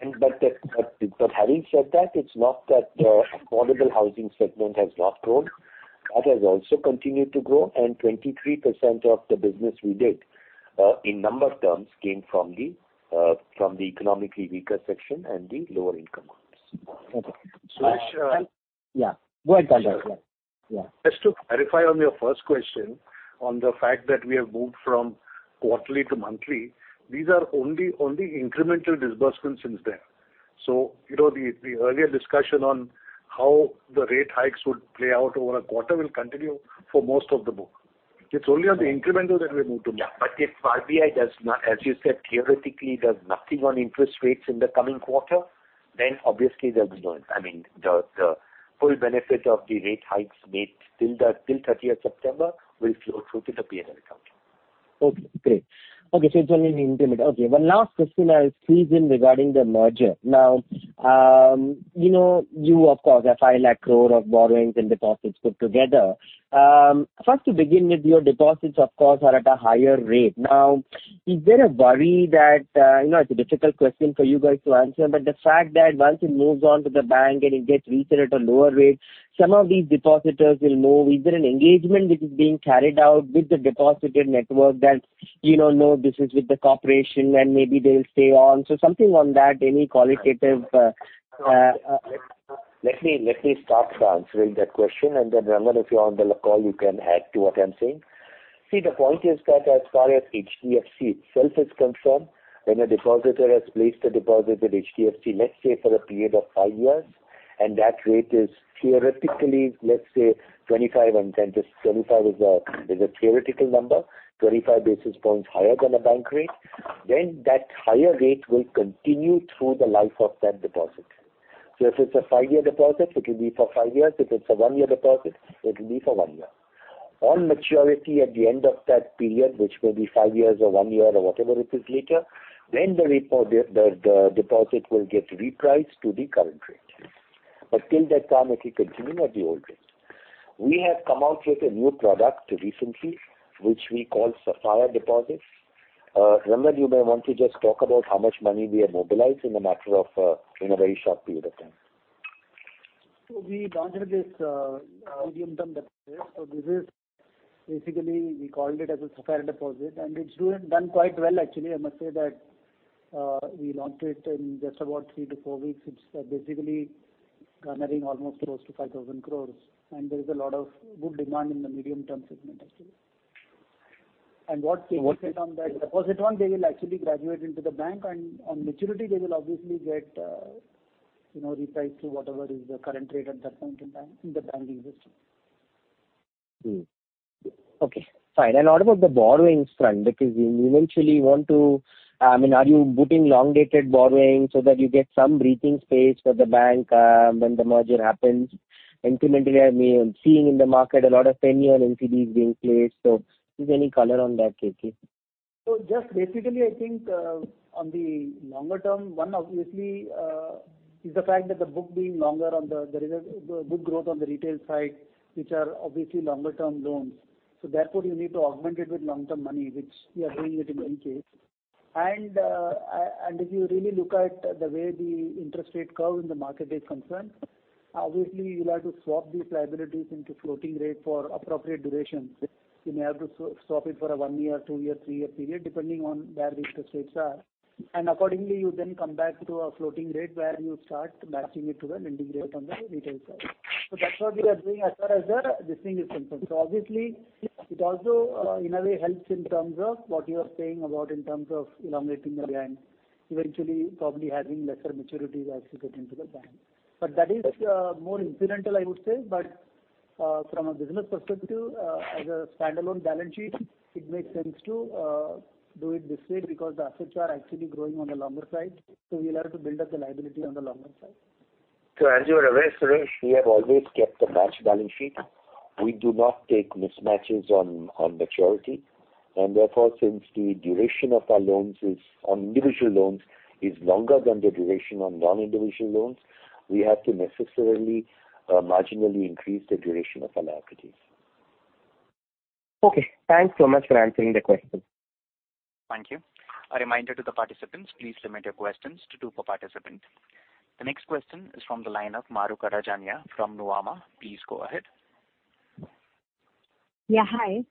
Having said that, it's not that the affordable housing segment has not grown. That has also continued to grow, and 23% of the business we did in number terms came from the economically weaker section and the lower income groups. Okay. Suresh, Yeah. Go ahead, Conrad, yeah. Just to clarify on your first question on the fact that we have moved from quarterly to monthly, these are only incremental disbursements since then. You know, the earlier discussion on how the rate hikes would play out over a quarter will continue for most of the book. It's only on the incremental that we move to monthly. If RBI does not, as you said, theoretically does nothing on interest rates in the coming quarter, then obviously there's no, I mean, the full benefit of the rate hikes made till the thirtieth September will flow through to the P&L account. Okay, great. Okay, so it's only an incremental. Okay, one last question I'll squeeze in regarding the merger. Now, you know, you of course have 5 lakh crore of borrowings and deposits put together. First to begin with, your deposits of course are at a higher rate. Now, is there a worry that, you know, it's a difficult question for you guys to answer, but the fact that once it moves on to the bank and it gets reset at a lower rate, some of these depositors will move. Is there an engagement which is being carried out with the depositor network that, you know, no, this is with the corporation and maybe they'll stay on. Something on that, any qualitative. Let me start answering that question and then Rangan, if you're on the call, you can add to what I'm saying. See, the point is that as far as HDFC itself is concerned, when a depositor has placed a deposit with HDFC, let's say for a period of five years, and that rate is theoretically, let's say 25 and 10, this 25 is a theoretical number, 25 basis points higher than a bank rate, then that higher rate will continue through the life of that deposit. If it's a five-year deposit, it will be for five years. If it's a one-year deposit, it will be for one year. On maturity at the end of that period, which may be five years or one year or whatever it is later, then the deposit will get repriced to the current rate. But till that time it will continue at the old rate. We have come out with a new product recently, which we call Sapphire Deposits. Rangan, you may want to just talk about how much money we have mobilized in a very short period of time. We launched this medium-term deposit. This is basically we called it as a Sapphire Deposit, and it's done quite well actually. I must say that. We launched it in just about three to four weeks. It's basically garnering almost close to 5,000 crore, and there is a lot of good demand in the medium-term segment actually. They will actually graduate into the bank and on maturity they will obviously get, you know, repriced to whatever is the current rate at that point in time in the banking system. Okay. Fine. What about the borrowings front? Because you eventually want to, I mean, are you booking long-dated borrowings so that you get some breathing space for the bank, when the merger happens? Incrementally, I mean, seeing in the market a lot of 10-year NCDs being placed. Is there any color on that, Keki? Just basically I think, on the longer term, one obviously is the fact that the book being longer, there is a good growth on the retail side, which are obviously longer term loans, so therefore you need to augment it with long-term money, which we are doing it in any case. And if you really look at the way the interest rate curve in the market is concerned, obviously you'll have to swap these liabilities into floating rate for appropriate duration. You may have to swap it for a one-year, two-year, three-year period, depending on where the interest rates are. Accordingly, you then come back to a floating rate where you start matching it to the lending rate on the retail side. That's what we are doing as far as this thing is concerned. Obviously, it also in a way helps in terms of what you are saying about in terms of elongating the bank, eventually probably having lesser maturities as you get into the bank. That is more incidental, I would say. From a business perspective, as a standalone balance sheet, it makes sense to do it this way because the assets are actually growing on the longer side, so we'll have to build up the liability on the longer side. As you are aware, Suresh, we have always kept a matched balance sheet. We do not take mismatches on maturity, and therefore since the duration on individual loan is longer than the duration on non-individual loans, we have to necessarily marginally increase the duration of our liabilities. Okay. Thanks so much for answering the question. Thank you. A reminder to the participants, please limit your questions to two per participant. The next question is from the line of Mahrukh Adajania from Nuvama. Please go ahead. Yeah, hi.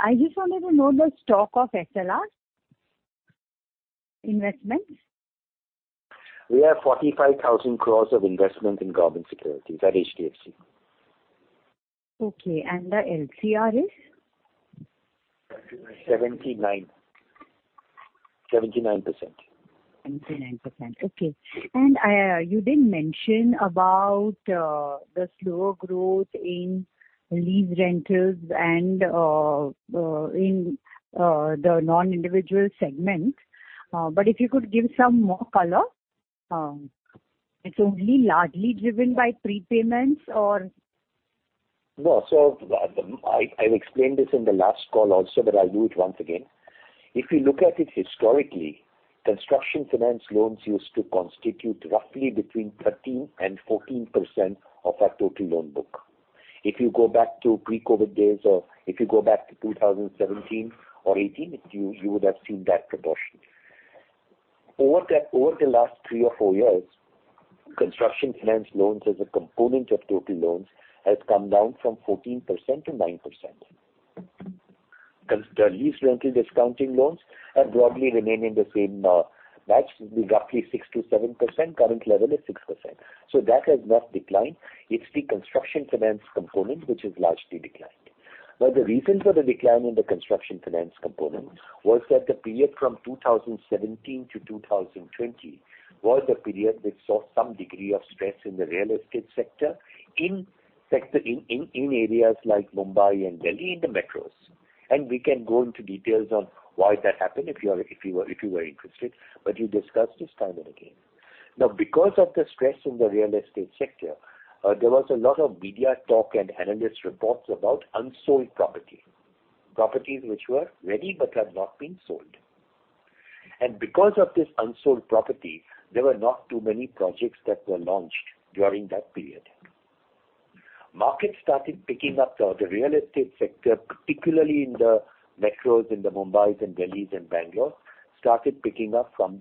I just wanted to know the stock of SLR investments? We have 45,000 crore of investment in government securities at HDFC. Okay. The LCR is? 79%. 79%. Okay. You did mention about the slower growth in lease rentals and in the non-individual segment. But if you could give some more color, it's only largely driven by prepayments or? I explained this in the last call also, but I'll do it once again. If you look at it historically, construction finance loans used to constitute roughly between 13%-14% of our total loan book. If you go back to pre-COVID days, or if you go back to 2017 or 2018, you would have seen that proportion. Over the last three or four years, construction finance loans as a component of total loans has come down from 14%-9%. The lease rental discounting loans have broadly remained in the same batch, roughly 6%-7%. Current level is 6%. That has not declined. It's the construction finance component, which has largely declined. Now, the reason for the decline in the construction finance component was that the period from 2017 to 2020 was the period which saw some degree of stress in the real estate sector, in areas like Mumbai and Delhi, in the metros. We can go into details on why that happened if you were interested, but we discussed this time and again. Now because of the stress in the real estate sector, there was a lot of media talk and analyst reports about unsold property, properties which were ready but had not been sold. Because of this unsold property, there were not too many projects that were launched during that period. Market started picking up, or the real estate sector, particularly in the metros, in the Mumbais and Delhis and Bangalores, started picking up from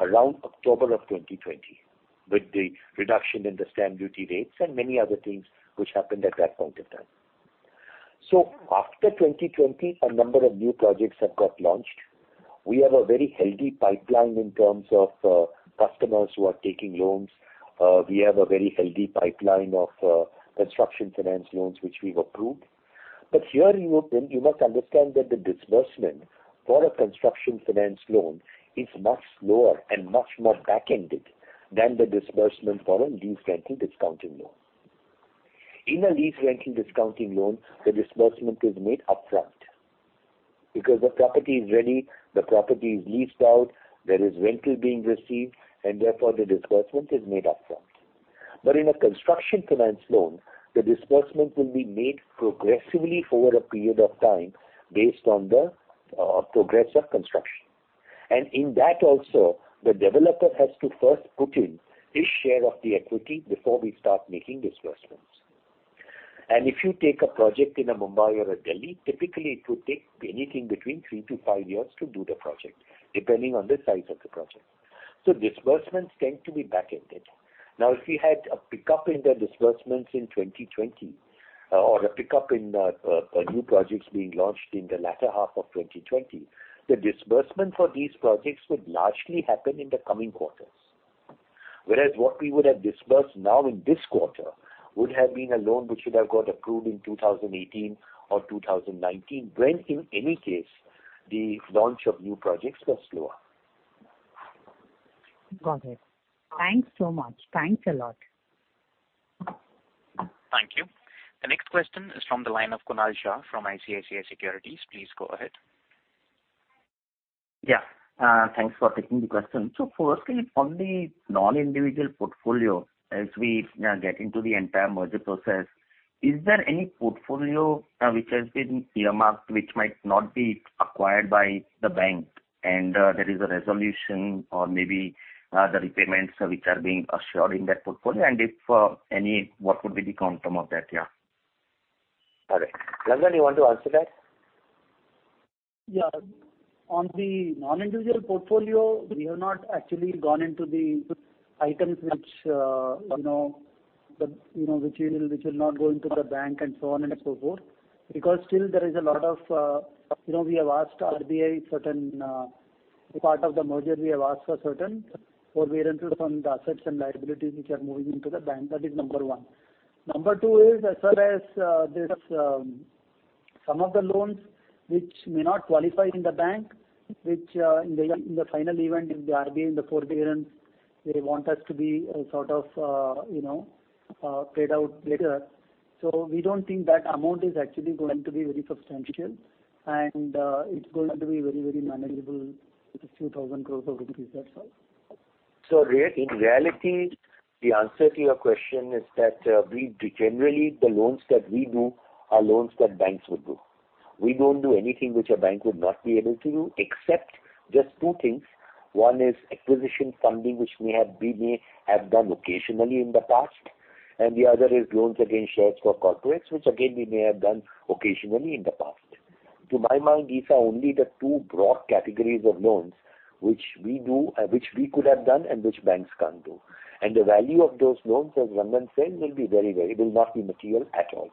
around October of 2020, with the reduction in the stamp duty rates and many other things which happened at that point in time. After 2020, a number of new projects have got launched. We have a very healthy pipeline in terms of customers who are taking loans. We have a very healthy pipeline of construction finance loans which we've approved. Here you must understand that the disbursement for a construction finance loan is much lower and much more back-ended than the disbursement for a lease rental discounting loan. In a lease rental discounting loan, the disbursement is made upfront because the property is ready, the property is leased out, there is rental being received, and therefore the disbursement is made upfront. But in a construction finance loan, the disbursement will be made progressively over a period of time based on the progress of construction. In that also, the developer has to first put in his share of the equity before we start making disbursements. If you take a project in a Mumbai or a Delhi, typically it will take anything between three to five years to do the project, depending on the size of the project. Disbursements tend to be back-ended. Now, if we had a pickup in the disbursements in 2020, or a pickup in new projects being launched in the latter half of 2020, the disbursement for these projects would largely happen in the coming quarters. Whereas what we would have disbursed now in this quarter would have been a loan which would have got approved in 2018 or 2019, when in any case the launch of new projects was slower. Got it. Thanks so much. Thanks a lot. Thank you. The next question is from the line of Kunal Shah from ICICI Securities. Please go ahead. Thanks for taking the question. Firstly, on the non-individual portfolio, as we, you know, get into the entire merger process, is there any portfolio which has been earmarked which might not be acquired by the bank and there is a resolution or maybe the repayments which are being assured in that portfolio? If any, what would be the outcome of that? All right. Rangan, you want to answer that? On the non-individual portfolio, we have not actually gone into the items which you know will not go into the bank and so on and so forth because still there is a lot of you know we have asked RBI, as part of the merger, for certain forbearance on the assets and liabilities which are moving into the bank. That is number one. Number two is as far as there's some of the loans which may not qualify in the bank, which in the final event if the RBI and the forbearance they want us to be sort of you know paid out later. We don't think that amount is actually going to be very substantial and it's going to be very, very manageable. It's a few thousand crores of rupees. That's all. In reality, the answer to your question is that generally the loans that we do are loans that banks would do. We don't do anything which a bank would not be able to do except just two things. One is acquisition funding which we have, we may have done occasionally in the past, and the other is loans against shares for corporates, which again we may have done occasionally in the past. To my mind, these are only the two broad categories of loans which we do, which we could have done and which banks can't do. The value of those loans, as Rangan said, will not be material at all.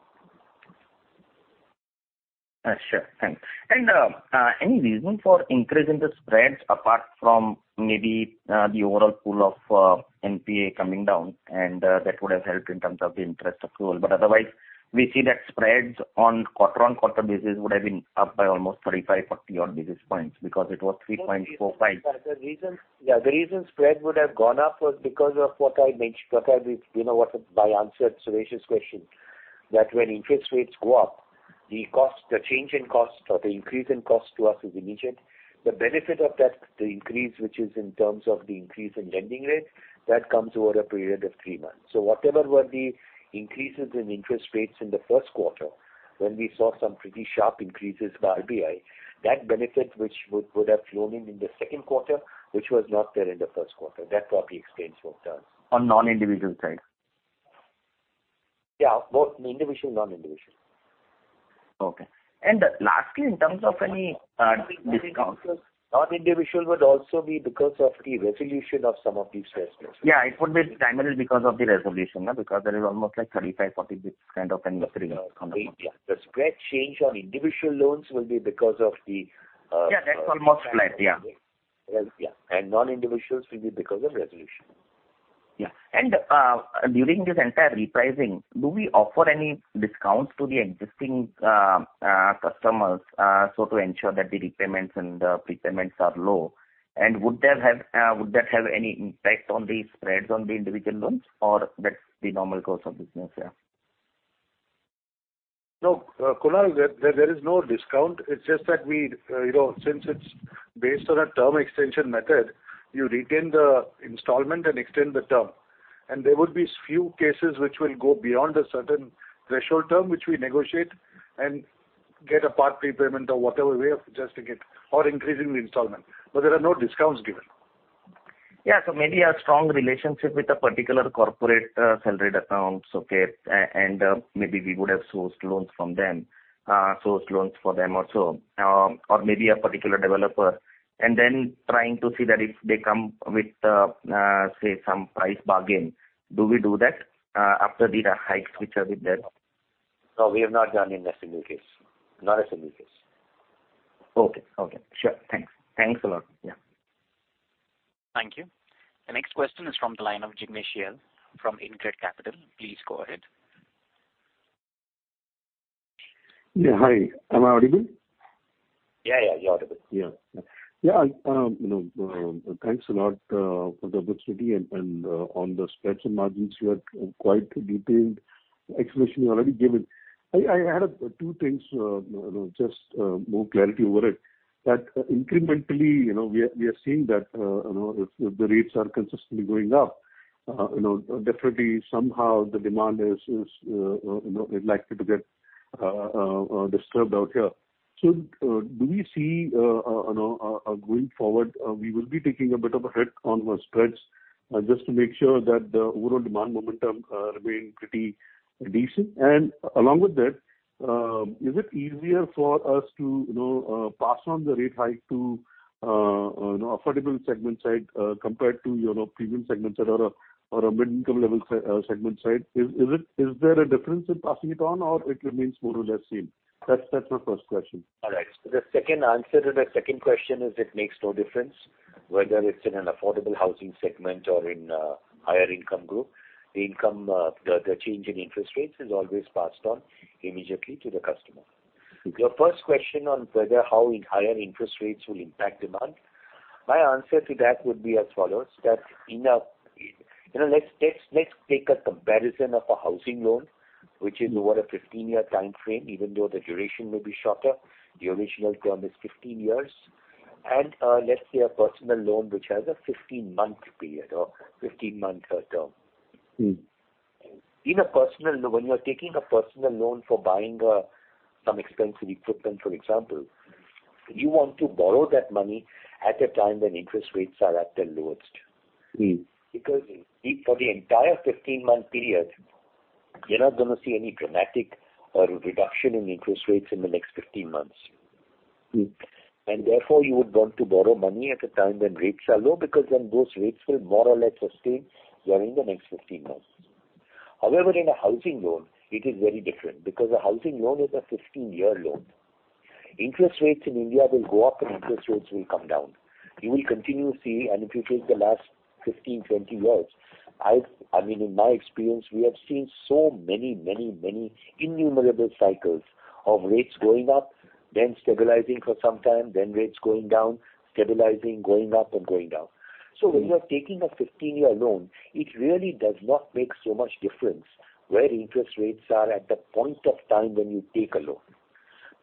Sure. Thanks. Any reason for increase in the spreads apart from maybe the overall pool of NPA coming down and that would have helped in terms of the interest accrual. But otherwise we see that spreads on quarter-on-quarter basis would have been up by almost 35-40 odd basis points because it was 3.45%. The reason, yeah, the reason spread would have gone up was because of what I, you know, what my answer to Suresh's question, that when interest rates go up, the cost, the change in cost or the increase in cost to us is immediate. The benefit of that, the increase which is in terms of the increase in lending rate, that comes over a period of three months. Whatever were the increases in interest rates in the first quarter when we saw some pretty sharp increases by RBI, that benefit which would have flown in in the second quarter, which was not there in the first quarter. That probably explains what does. On non-individual side. Yeah, both individual and non-individual. Okay. Lastly, in terms of any discount- Non-individual would also be because of the resolution of some of these stresses. Yeah, it would be primarily because of the resolution, because there is almost like 35-40 basis points kind of an material coming up. Yeah. The spread change on individual loans will be because of the Yeah, that's almost flat. Yeah. Yeah. Non-individuals will be because of resolution. Yeah. During this entire repricing, do we offer any discounts to the existing customers, so to ensure that the repayments and the prepayments are low? Would that have any impact on the spreads on the individual loans or that's the normal course of business? Yeah. No, Kunal, there is no discount. It's just that we, you know, since it's based on a term extension method, you retain the installment and extend the term. There would be few cases which will go beyond a certain threshold term, which we negotiate and get a part prepayment or whatever way of adjusting it or increasing the installment, but there are no discounts given. Yeah. Maybe a strong relationship with a particular corporate, salaried accounts, okay, and maybe we would have sourced loans from them, sourced loans for them also, or maybe a particular developer, and then trying to see that if they come with, say, some price bargain, do we do that after the hikes which have been there? No, we have not done in a single case. Not a single case. Okay. Sure. Thanks a lot. Yeah. Thank you. The next question is from the line of Jignesh Shial from InCred Capital. Please go ahead. Yeah. Hi. Am I audible? Yeah, yeah, you're audible. Yeah. You know, thanks a lot for the opportunity and on the spreads and margins you have quite detailed explanation you already given. I had two things, you know, just more clarity over it. That incrementally, you know, we are seeing that, you know, if the rates are consistently going up, you know, definitely somehow the demand is likely to get disturbed out here. So, do we see going forward we will be taking a bit of a hit on the spreads just to make sure that the overall demand momentum remain pretty decent. Along with that, is it easier for us to, you know, pass on the rate hike to, you know, affordable segment side, compared to, you know, premium segments that are a middle income level segment side. Is there a difference in passing it on or it remains more or less same? That's my first question. All right. The answer to the second question is it makes no difference whether it's in an affordable housing segment or in a higher income group. The change in interest rates is always passed on immediately to the customer. Your first question on whether how higher interest rates will impact demand, my answer to that would be as follows, you know, let's take a comparison of a housing loan which is over a 15-year time frame, even though the duration may be shorter. The original term is 15 years. Let's say a personal loan which has a 15-month period or 15-month term. Mm-hmm. When you are taking a personal loan for buying some expensive equipment, for example, you want to borrow that money at a time when interest rates are at their lowest. Mm-hmm. Because for the entire 15-month period, you're not gonna see any dramatic reduction in interest rates in the next 15 months. Mm-hmm. Therefore you would want to borrow money at a time when rates are low, because then those rates will more or less sustain during the next 15 months. However, in a housing loan it is very different because a housing loan is a 15-year loan. Interest rates in India will go up and interest rates will come down. You will continue to see and if you take the last 15, 20 years, I've, I mean, in my experience, we have seen so many many innumerable cycles of rates going up, then stabilizing for some time, then rates going down, stabilizing, going up and going down. So when you are taking a 15-year loan, it really does not make so much difference where interest rates are at the point of time when you take a loan.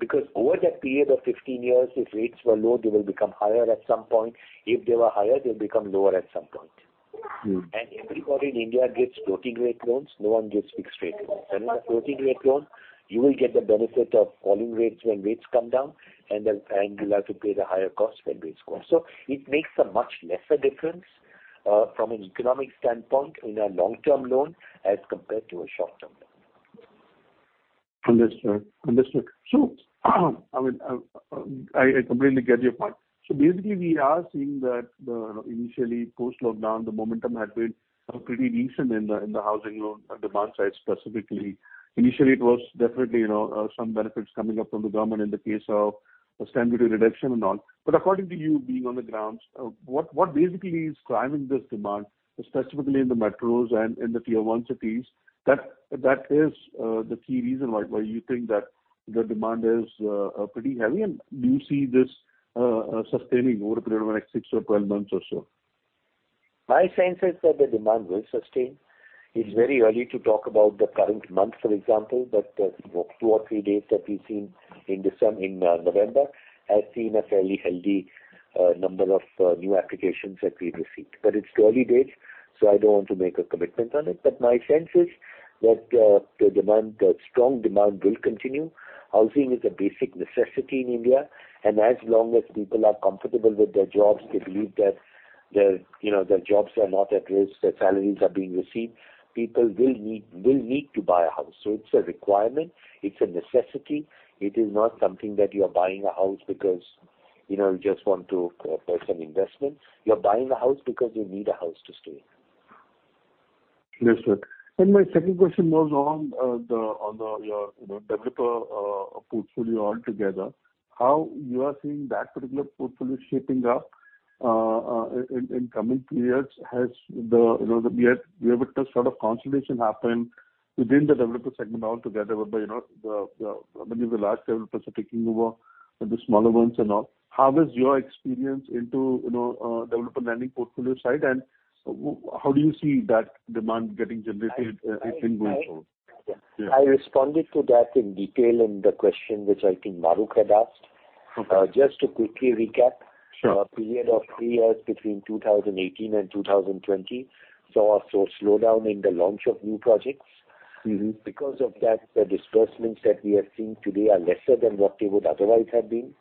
Because over that period of 15 years, if rates were low, they will become higher at some point. If they were higher, they'll become lower at some point. Mm-hmm. Everybody in India gets floating rate loans. No one gets fixed rate loans. In a floating rate loan, you will get the benefit of falling rates when rates come down and you'll have to pay the higher cost when rates go up. It makes a much lesser difference from an economic standpoint in a long-term loan as compared to a short-term loan. Understood. I mean, I completely get your point. Basically we are seeing that, initially post-lockdown, the momentum had been pretty decent in the housing loan demand side specifically. Initially it was definitely, you know, some benefits coming up from the government in the case of a stamp duty reduction and all. According to you being on the grounds, what basically is driving this demand specifically in the metros and in the Tier 1 cities, that is the key reason why you think that the demand is pretty heavy? Do you see this sustaining over a period of next six or 12 months or so? My sense is that the demand will sustain. It's very early to talk about the current month, for example, you know, two or three days that we've seen in November has seen a fairly healthy number of new applications that we've received. It's early days, so I don't want to make a commitment on it. My sense is that the demand, the strong demand will continue. Housing is a basic necessity in India, and as long as people are comfortable with their jobs, they believe that their, you know, their jobs are not at risk, their salaries are being received, people will need to buy a house. It's a requirement. It's a necessity. It is not something that you're buying a house because, you know, you just want to make some investment. You're buying a house because you need a house to stay. Understood. My second question was on your developer portfolio altogether, how you are seeing that particular portfolio shaping up in coming periods? Has the sort of consolidation happened within the developer segment altogether, where many of the large developers are taking over the smaller ones and all. How is your experience in the developer lending portfolio side, and how do you see that demand getting generated going forward? I responded to that in detail in the question which I think Mahrukh Adajania had asked. Okay. Just to quickly recap. Sure. A period of three years between 2018 and 2020 saw a slowdown in the launch of new projects. Mm-hmm. Because of that, the disbursements that we are seeing today are lesser than what they would otherwise have been.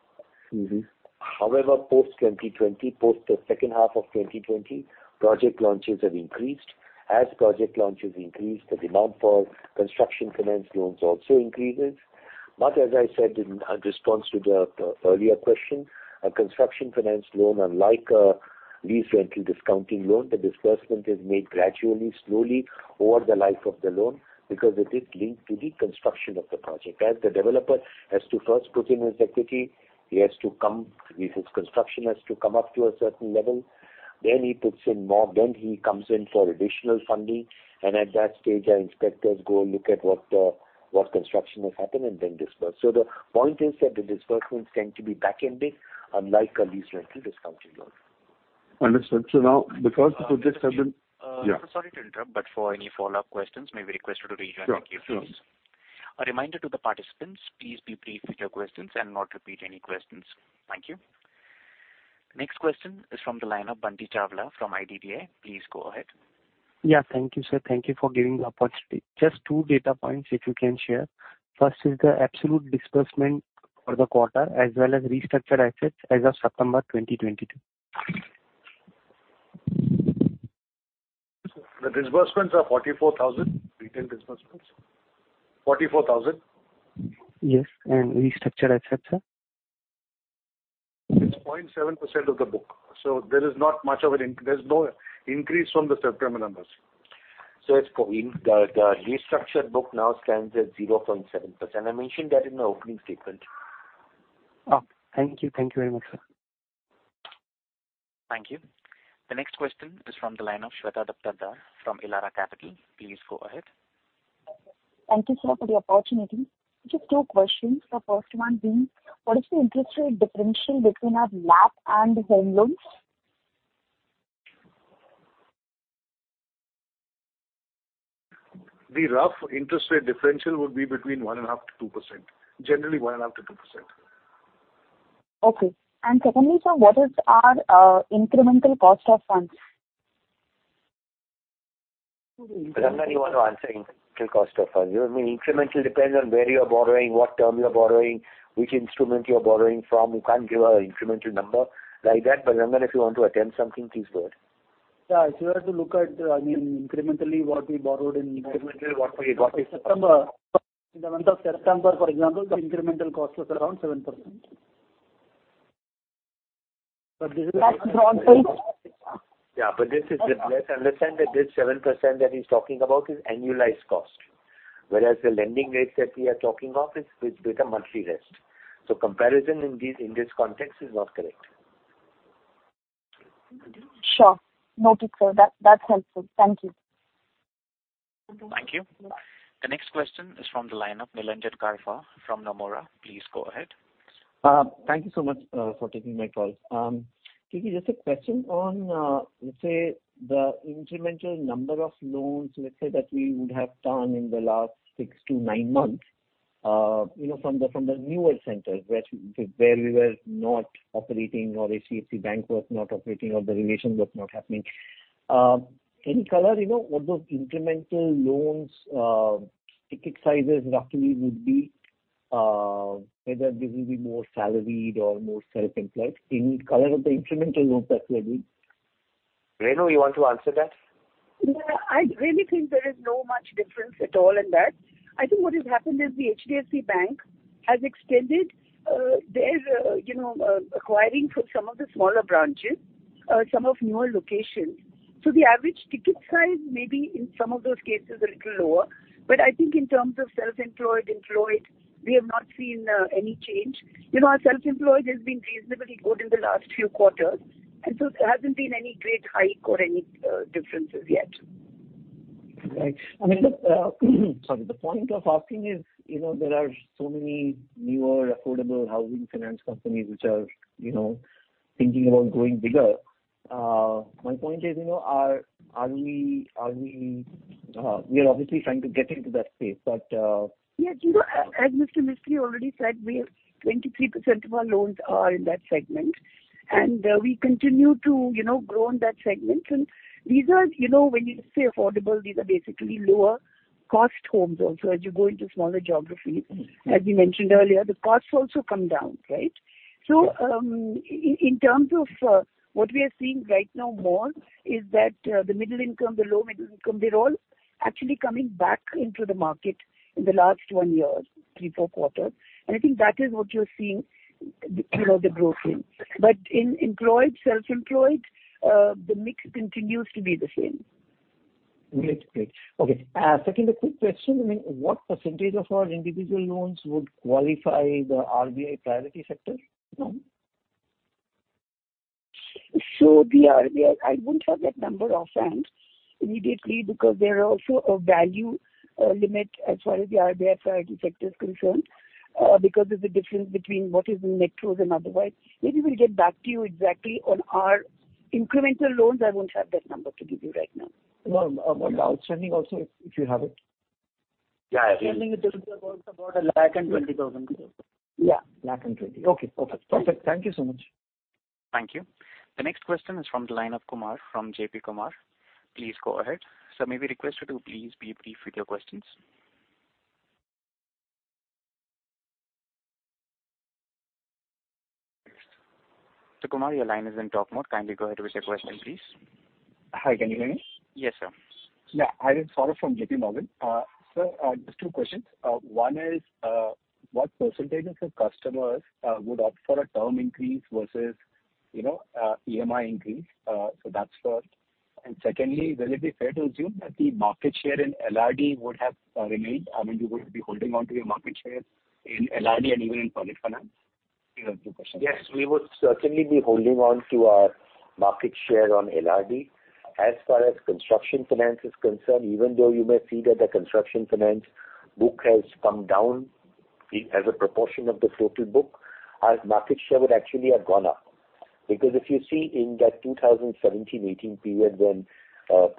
Mm-hmm. However, post 2020, post the second half of 2020, project launches have increased. As project launches increase, the demand for construction finance loans also increases. As I said in response to the earlier question, a construction finance loan, unlike a lease rental discounting loan, the disbursement is made gradually, slowly over the life of the loan because it is linked to the construction of the project. As the developer has to first put in his equity, he has to come, his construction has to come up to a certain level. He puts in more, then he comes in for additional funding. At that stage, our inspectors go and look at what construction has happened and then disburse. The point is that the disbursements tend to be back-ended unlike a lease rental discounting loan. Understood. Sorry to interrupt, but for any follow-up questions, may we request you to raise your hand in queue, please. Sure, sure. A reminder to the participants, please be brief with your questions and not repeat any questions. Thank you. Next question is from the line of Bunty Chawla from IDBI Capital. Please go ahead. Yeah. Thank you, sir. Thank you for giving the opportunity. Just two data points if you can share. First is the absolute disbursement for the quarter as well as restructured assets as of September 2022. The disbursements are 44,000 retail disbursements. Yes. Restructured assets, sir? It's 0.7% of the book. There is not much of an increase. There's no increase from the September numbers. The restructured book now stands at 0.7%. I mentioned that in my opening statement. Oh, thank you. Thank you very much, sir. Thank you. The next question is from the line of Shweta Daptardar from Elara Capital. Please go ahead. Thank you, sir, for the opportunity. Just two questions. The first one being, what is the interest rate differential between our LAP and home loans? The rough interest rate differential would be between 1.5%-2%. Generally, 1.5%-2%. Secondly, sir, what is our incremental cost of funds? Rangan, you want to answer. Incremental cost of funds? I mean, incremental depends on where you are borrowing, what term you are borrowing, which instrument you are borrowing from. We can't give an incremental number like that. Rangan, if you want to attempt something, please go ahead. Yeah. If you were to look at, I mean, incrementally what we borrowed in- Incrementally what we got. In the month of September, for example, the incremental cost was around 7%. That's roughly. Yeah, this is the. Let's understand that this 7% that he's talking about is annualized cost. Whereas the lending rates that we are talking of is with a monthly rest. Comparison in this context is not correct. Sure. Noted, sir. That, that's helpful. Thank you. Thank you. The next question is from the line of Nilanjan Karfa from Nomura. Please go ahead. Thank you so much for taking my call. Keki, just a question on, let's say the incremental number of loans, let's say that we would have done in the last six to nine months, you know, from the newer centers where we were not operating or HDFC Bank was not operating or the relationship was not happening. Any color, you know, what those incremental loans ticket sizes roughly would be, whether this will be more salaried or more self-employed. Any color of the incremental loans that were doing. Renu, you want to answer that? Yeah. I really think there is not much difference at all in that. I think what has happened is the HDFC Bank has extended, their, you know, acquiring for some of the smaller branches, some of newer locations. The average ticket size may be in some of those cases a little lower. I think in terms of self-employed, employed, we have not seen, any change. You know, our self-employed has been reasonably good in the last few quarters, and so there hasn't been any great hike or any, differences yet. Right. I mean, the point of asking is, you know, there are so many newer affordable housing finance companies which are, you know, thinking about growing bigger. My point is, you know, we are obviously trying to get into that space, but. Yes. You know, as Mr. Mistry already said, we have 23% of our loans are in that segment and we continue to, you know, grow in that segment. These are, you know, when you say affordable, these are basically lower cost homes also. As you go into smaller geography, as we mentioned earlier, the costs also come down, right? In terms of what we are seeing right now more is that the middle income, the low middle income, they're all actually coming back into the market in the last one year, three to four quarters. I think that is what you're seeing, you know, the growth in. In employed, self-employed, the mix continues to be the same. Great. Okay. Second quick question. I mean, what percentage of our individual loans would qualify the RBI priority sector loan? The RBI, I wouldn't have that number offhand immediately because there are also a value limit as far as the RBI priority sector is concerned. Because there's a difference between what is in metros and otherwise. Maybe we'll get back to you exactly on our incremental loans. I won't have that number to give you right now. No. outstanding also if you have it. Yeah. Outstanding, it is about 1,20,000. Yeah. 1.20 lakh. Okay. Perfect. Perfect. Thank you so much. Thank you. The next question is from the line of Kumar from JPMorgan. Please go ahead. Sir, may we request you to please be brief with your questions. Kumar, your line is in talk mode. Kindly go ahead with your question, please. Hi, can you hear me? Yes, sir. Yeah. Saurabh Kumar from JPMorgan. Sir, just two questions. One is, what percentage of customers would opt for a term increase versus, you know, EMI increase? So that's first. Secondly, will it be fair to assume that the market share in LRD would have remained? I mean, you would be holding on to your market share in LRD and even in public finance? These are the two questions. Yes. We would certainly be holding on to our market share on LRD. As far as construction finance is concerned, even though you may see that the construction finance book has come down as a proportion of the total book, our market share would actually have gone up. Because if you see in that 2017-18 period when,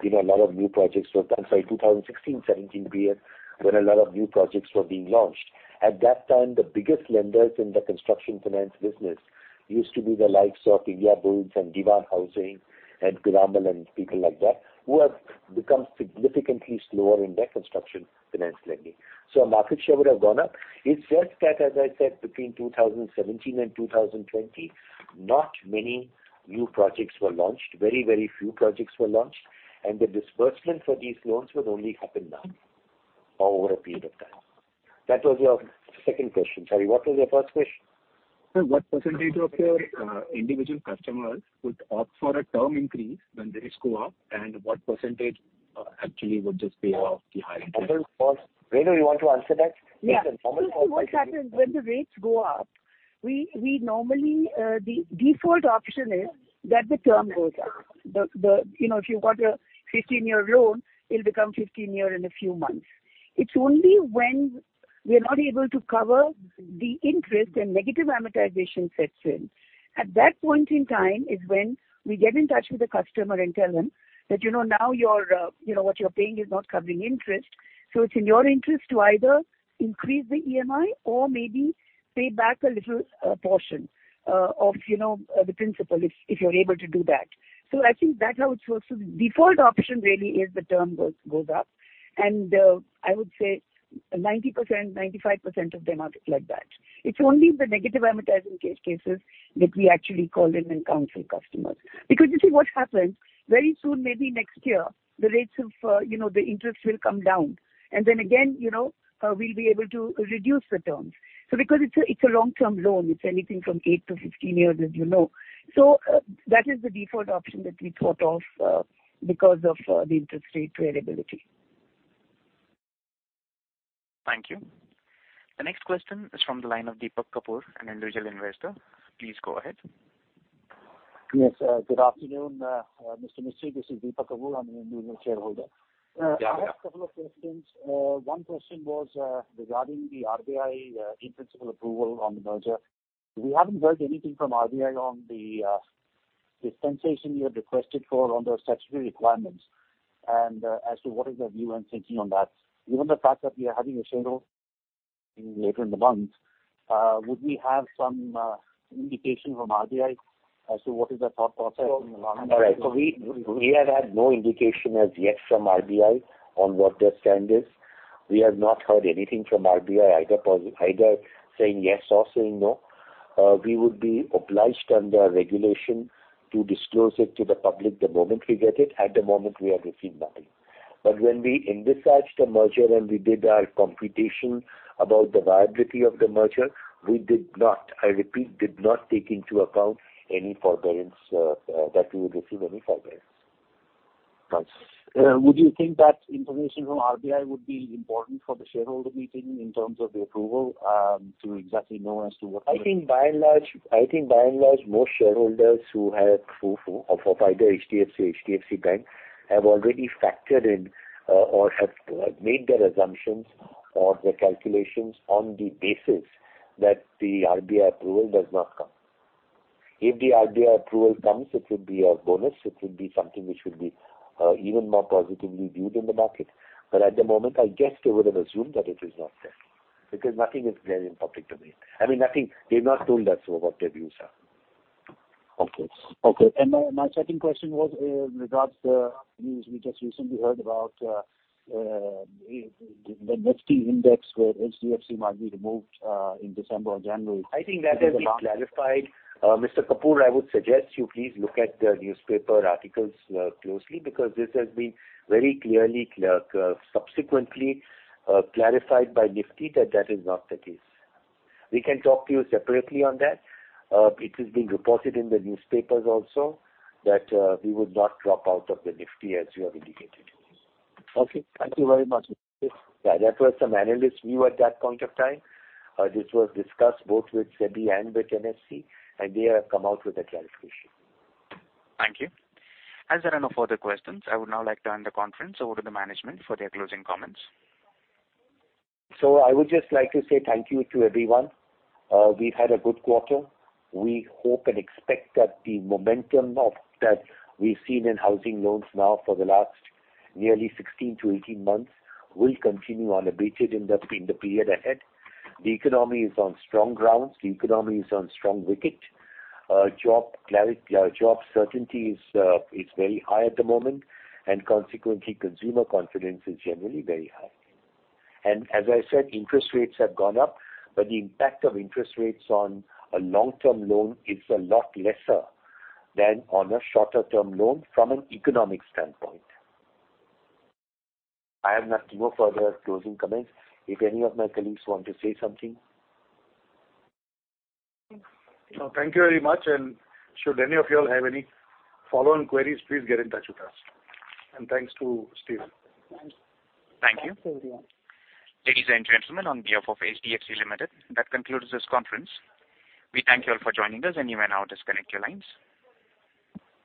you know, a lot of new projects were done. 2016-17 period when a lot of new projects were being launched. At that time, the biggest lenders in the construction finance business used to be the likes of Indiabulls and Dewan Housing Finance and Piramal, and people like that, who have become significantly slower in their construction finance lending. Market share would have gone up. It's just that, as I said, between 2017 and 2020, not many new projects were launched. Very, very few projects were launched, and the disbursement for these loans would only happen now or over a period of time. That was your second question. Sorry, what was your first question? Sir, what percentage of your individual customers would opt for a term increase when rates go up and what percentage actually would just pay off the higher interest? Renu, you want to answer that? Yes. What happens when the rates go up, we normally the default option is that the term goes up. You know, if you've got a 15-year loan, it'll become 15-year in a few months. It's only when we are not able to cover the interest and negative amortization sets in. At that point in time is when we get in touch with the customer and tell them that, you know, "Now you're, you know, what you're paying is not covering interest. So it's in your interest to either increase the EMI or maybe pay back a little portion of, you know, the principal if you're able to do that." I think that's how it works. The default option really is the term goes up and I would say 90%-95% of them are like that. It's only in the negative amortization cases that we actually call in and counsel customers. Because you see what happens very soon, maybe next year, the rates of, you know, the interest will come down. Then again, you know, we'll be able to reduce the terms. Because it's a long-term loan, it's anything from 8-15 years, as you know. That is the default option that we thought of, because of the interest rate variability. Thank you. The next question is from the line of Deepak Kapoor, an individual investor. Please go ahead. Yes, sir. Good afternoon, Mr. Mistry. This is Deepak Kapoor. I'm an individual shareholder. Yeah. I have a couple of questions. One question was regarding the RBI in-principle approval on the merger. We haven't heard anything from RBI on the dispensation you have requested for under statutory requirements and as to what is their view and thinking on that. Given the fact that we are having a shareholder meeting later in the month, would we have some indication from RBI as to what is their thought process in the long run? Right. We have had no indication as yet from RBI on what their stand is. We have not heard anything from RBI either saying yes or saying no. We would be obliged under regulation to disclose it to the public the moment we get it. At the moment, we have received nothing. When we envisaged the merger and we did our computation about the viability of the merger, we did not, I repeat, we did not take into account any forbearance, that we would receive any forbearance. Would you think that information from RBI would be important for the shareholder meeting in terms of the approval, to exactly know as to what? I think by and large, most shareholders who have either HDFC or HDFC Bank have already factored in, or have made their assumptions or their calculations on the basis that the RBI approval does not come. If the RBI approval comes, it would be a bonus. It would be something which would be even more positively viewed in the market. At the moment, I guess they would have assumed that it is not there because nothing is there in public domain. I mean, nothing. They've not told us what their views are. Okay. My second question was regarding the news we just recently heard about, the Nifty index where HDFC might be removed in December or January. I think that has been clarified. Mr. Kapoor, I would suggest you please look at the newspaper articles closely because this has been very clearly subsequently clarified by Nifty that that is not the case. We can talk to you separately on that. It has been reported in the newspapers also that we would not drop out of the Nifty as you have indicated. Okay. Thank you very much. Yeah, that was some analyst view at that point of time. This was discussed both with SEBI and with NSE, and they have come out with a clarification. Thank you. As there are no further questions, I would now like to hand the conference over to the management for their closing comments. I would just like to say thank you to everyone. We've had a good quarter. We hope and expect that the momentum of that we've seen in housing loans now for the last nearly 16-18 months will continue unabated in the period ahead. The economy is on strong grounds. The economy is on strong wicket. Job certainty is very high at the moment and consequently consumer confidence is generally very high. As I said, interest rates have gone up, but the impact of interest rates on a long-term loan is a lot lesser than on a shorter term loan from an economic standpoint. I have no further closing comments. If any of my colleagues want to say something. No, thank you very much. Should any of you all have any follow-on queries, please get in touch with us. Thanks to Steven. Ladies and gentlemen, on behalf of HDFC Limited, that concludes this conference. We thank you all for joining us and you may now disconnect your lines.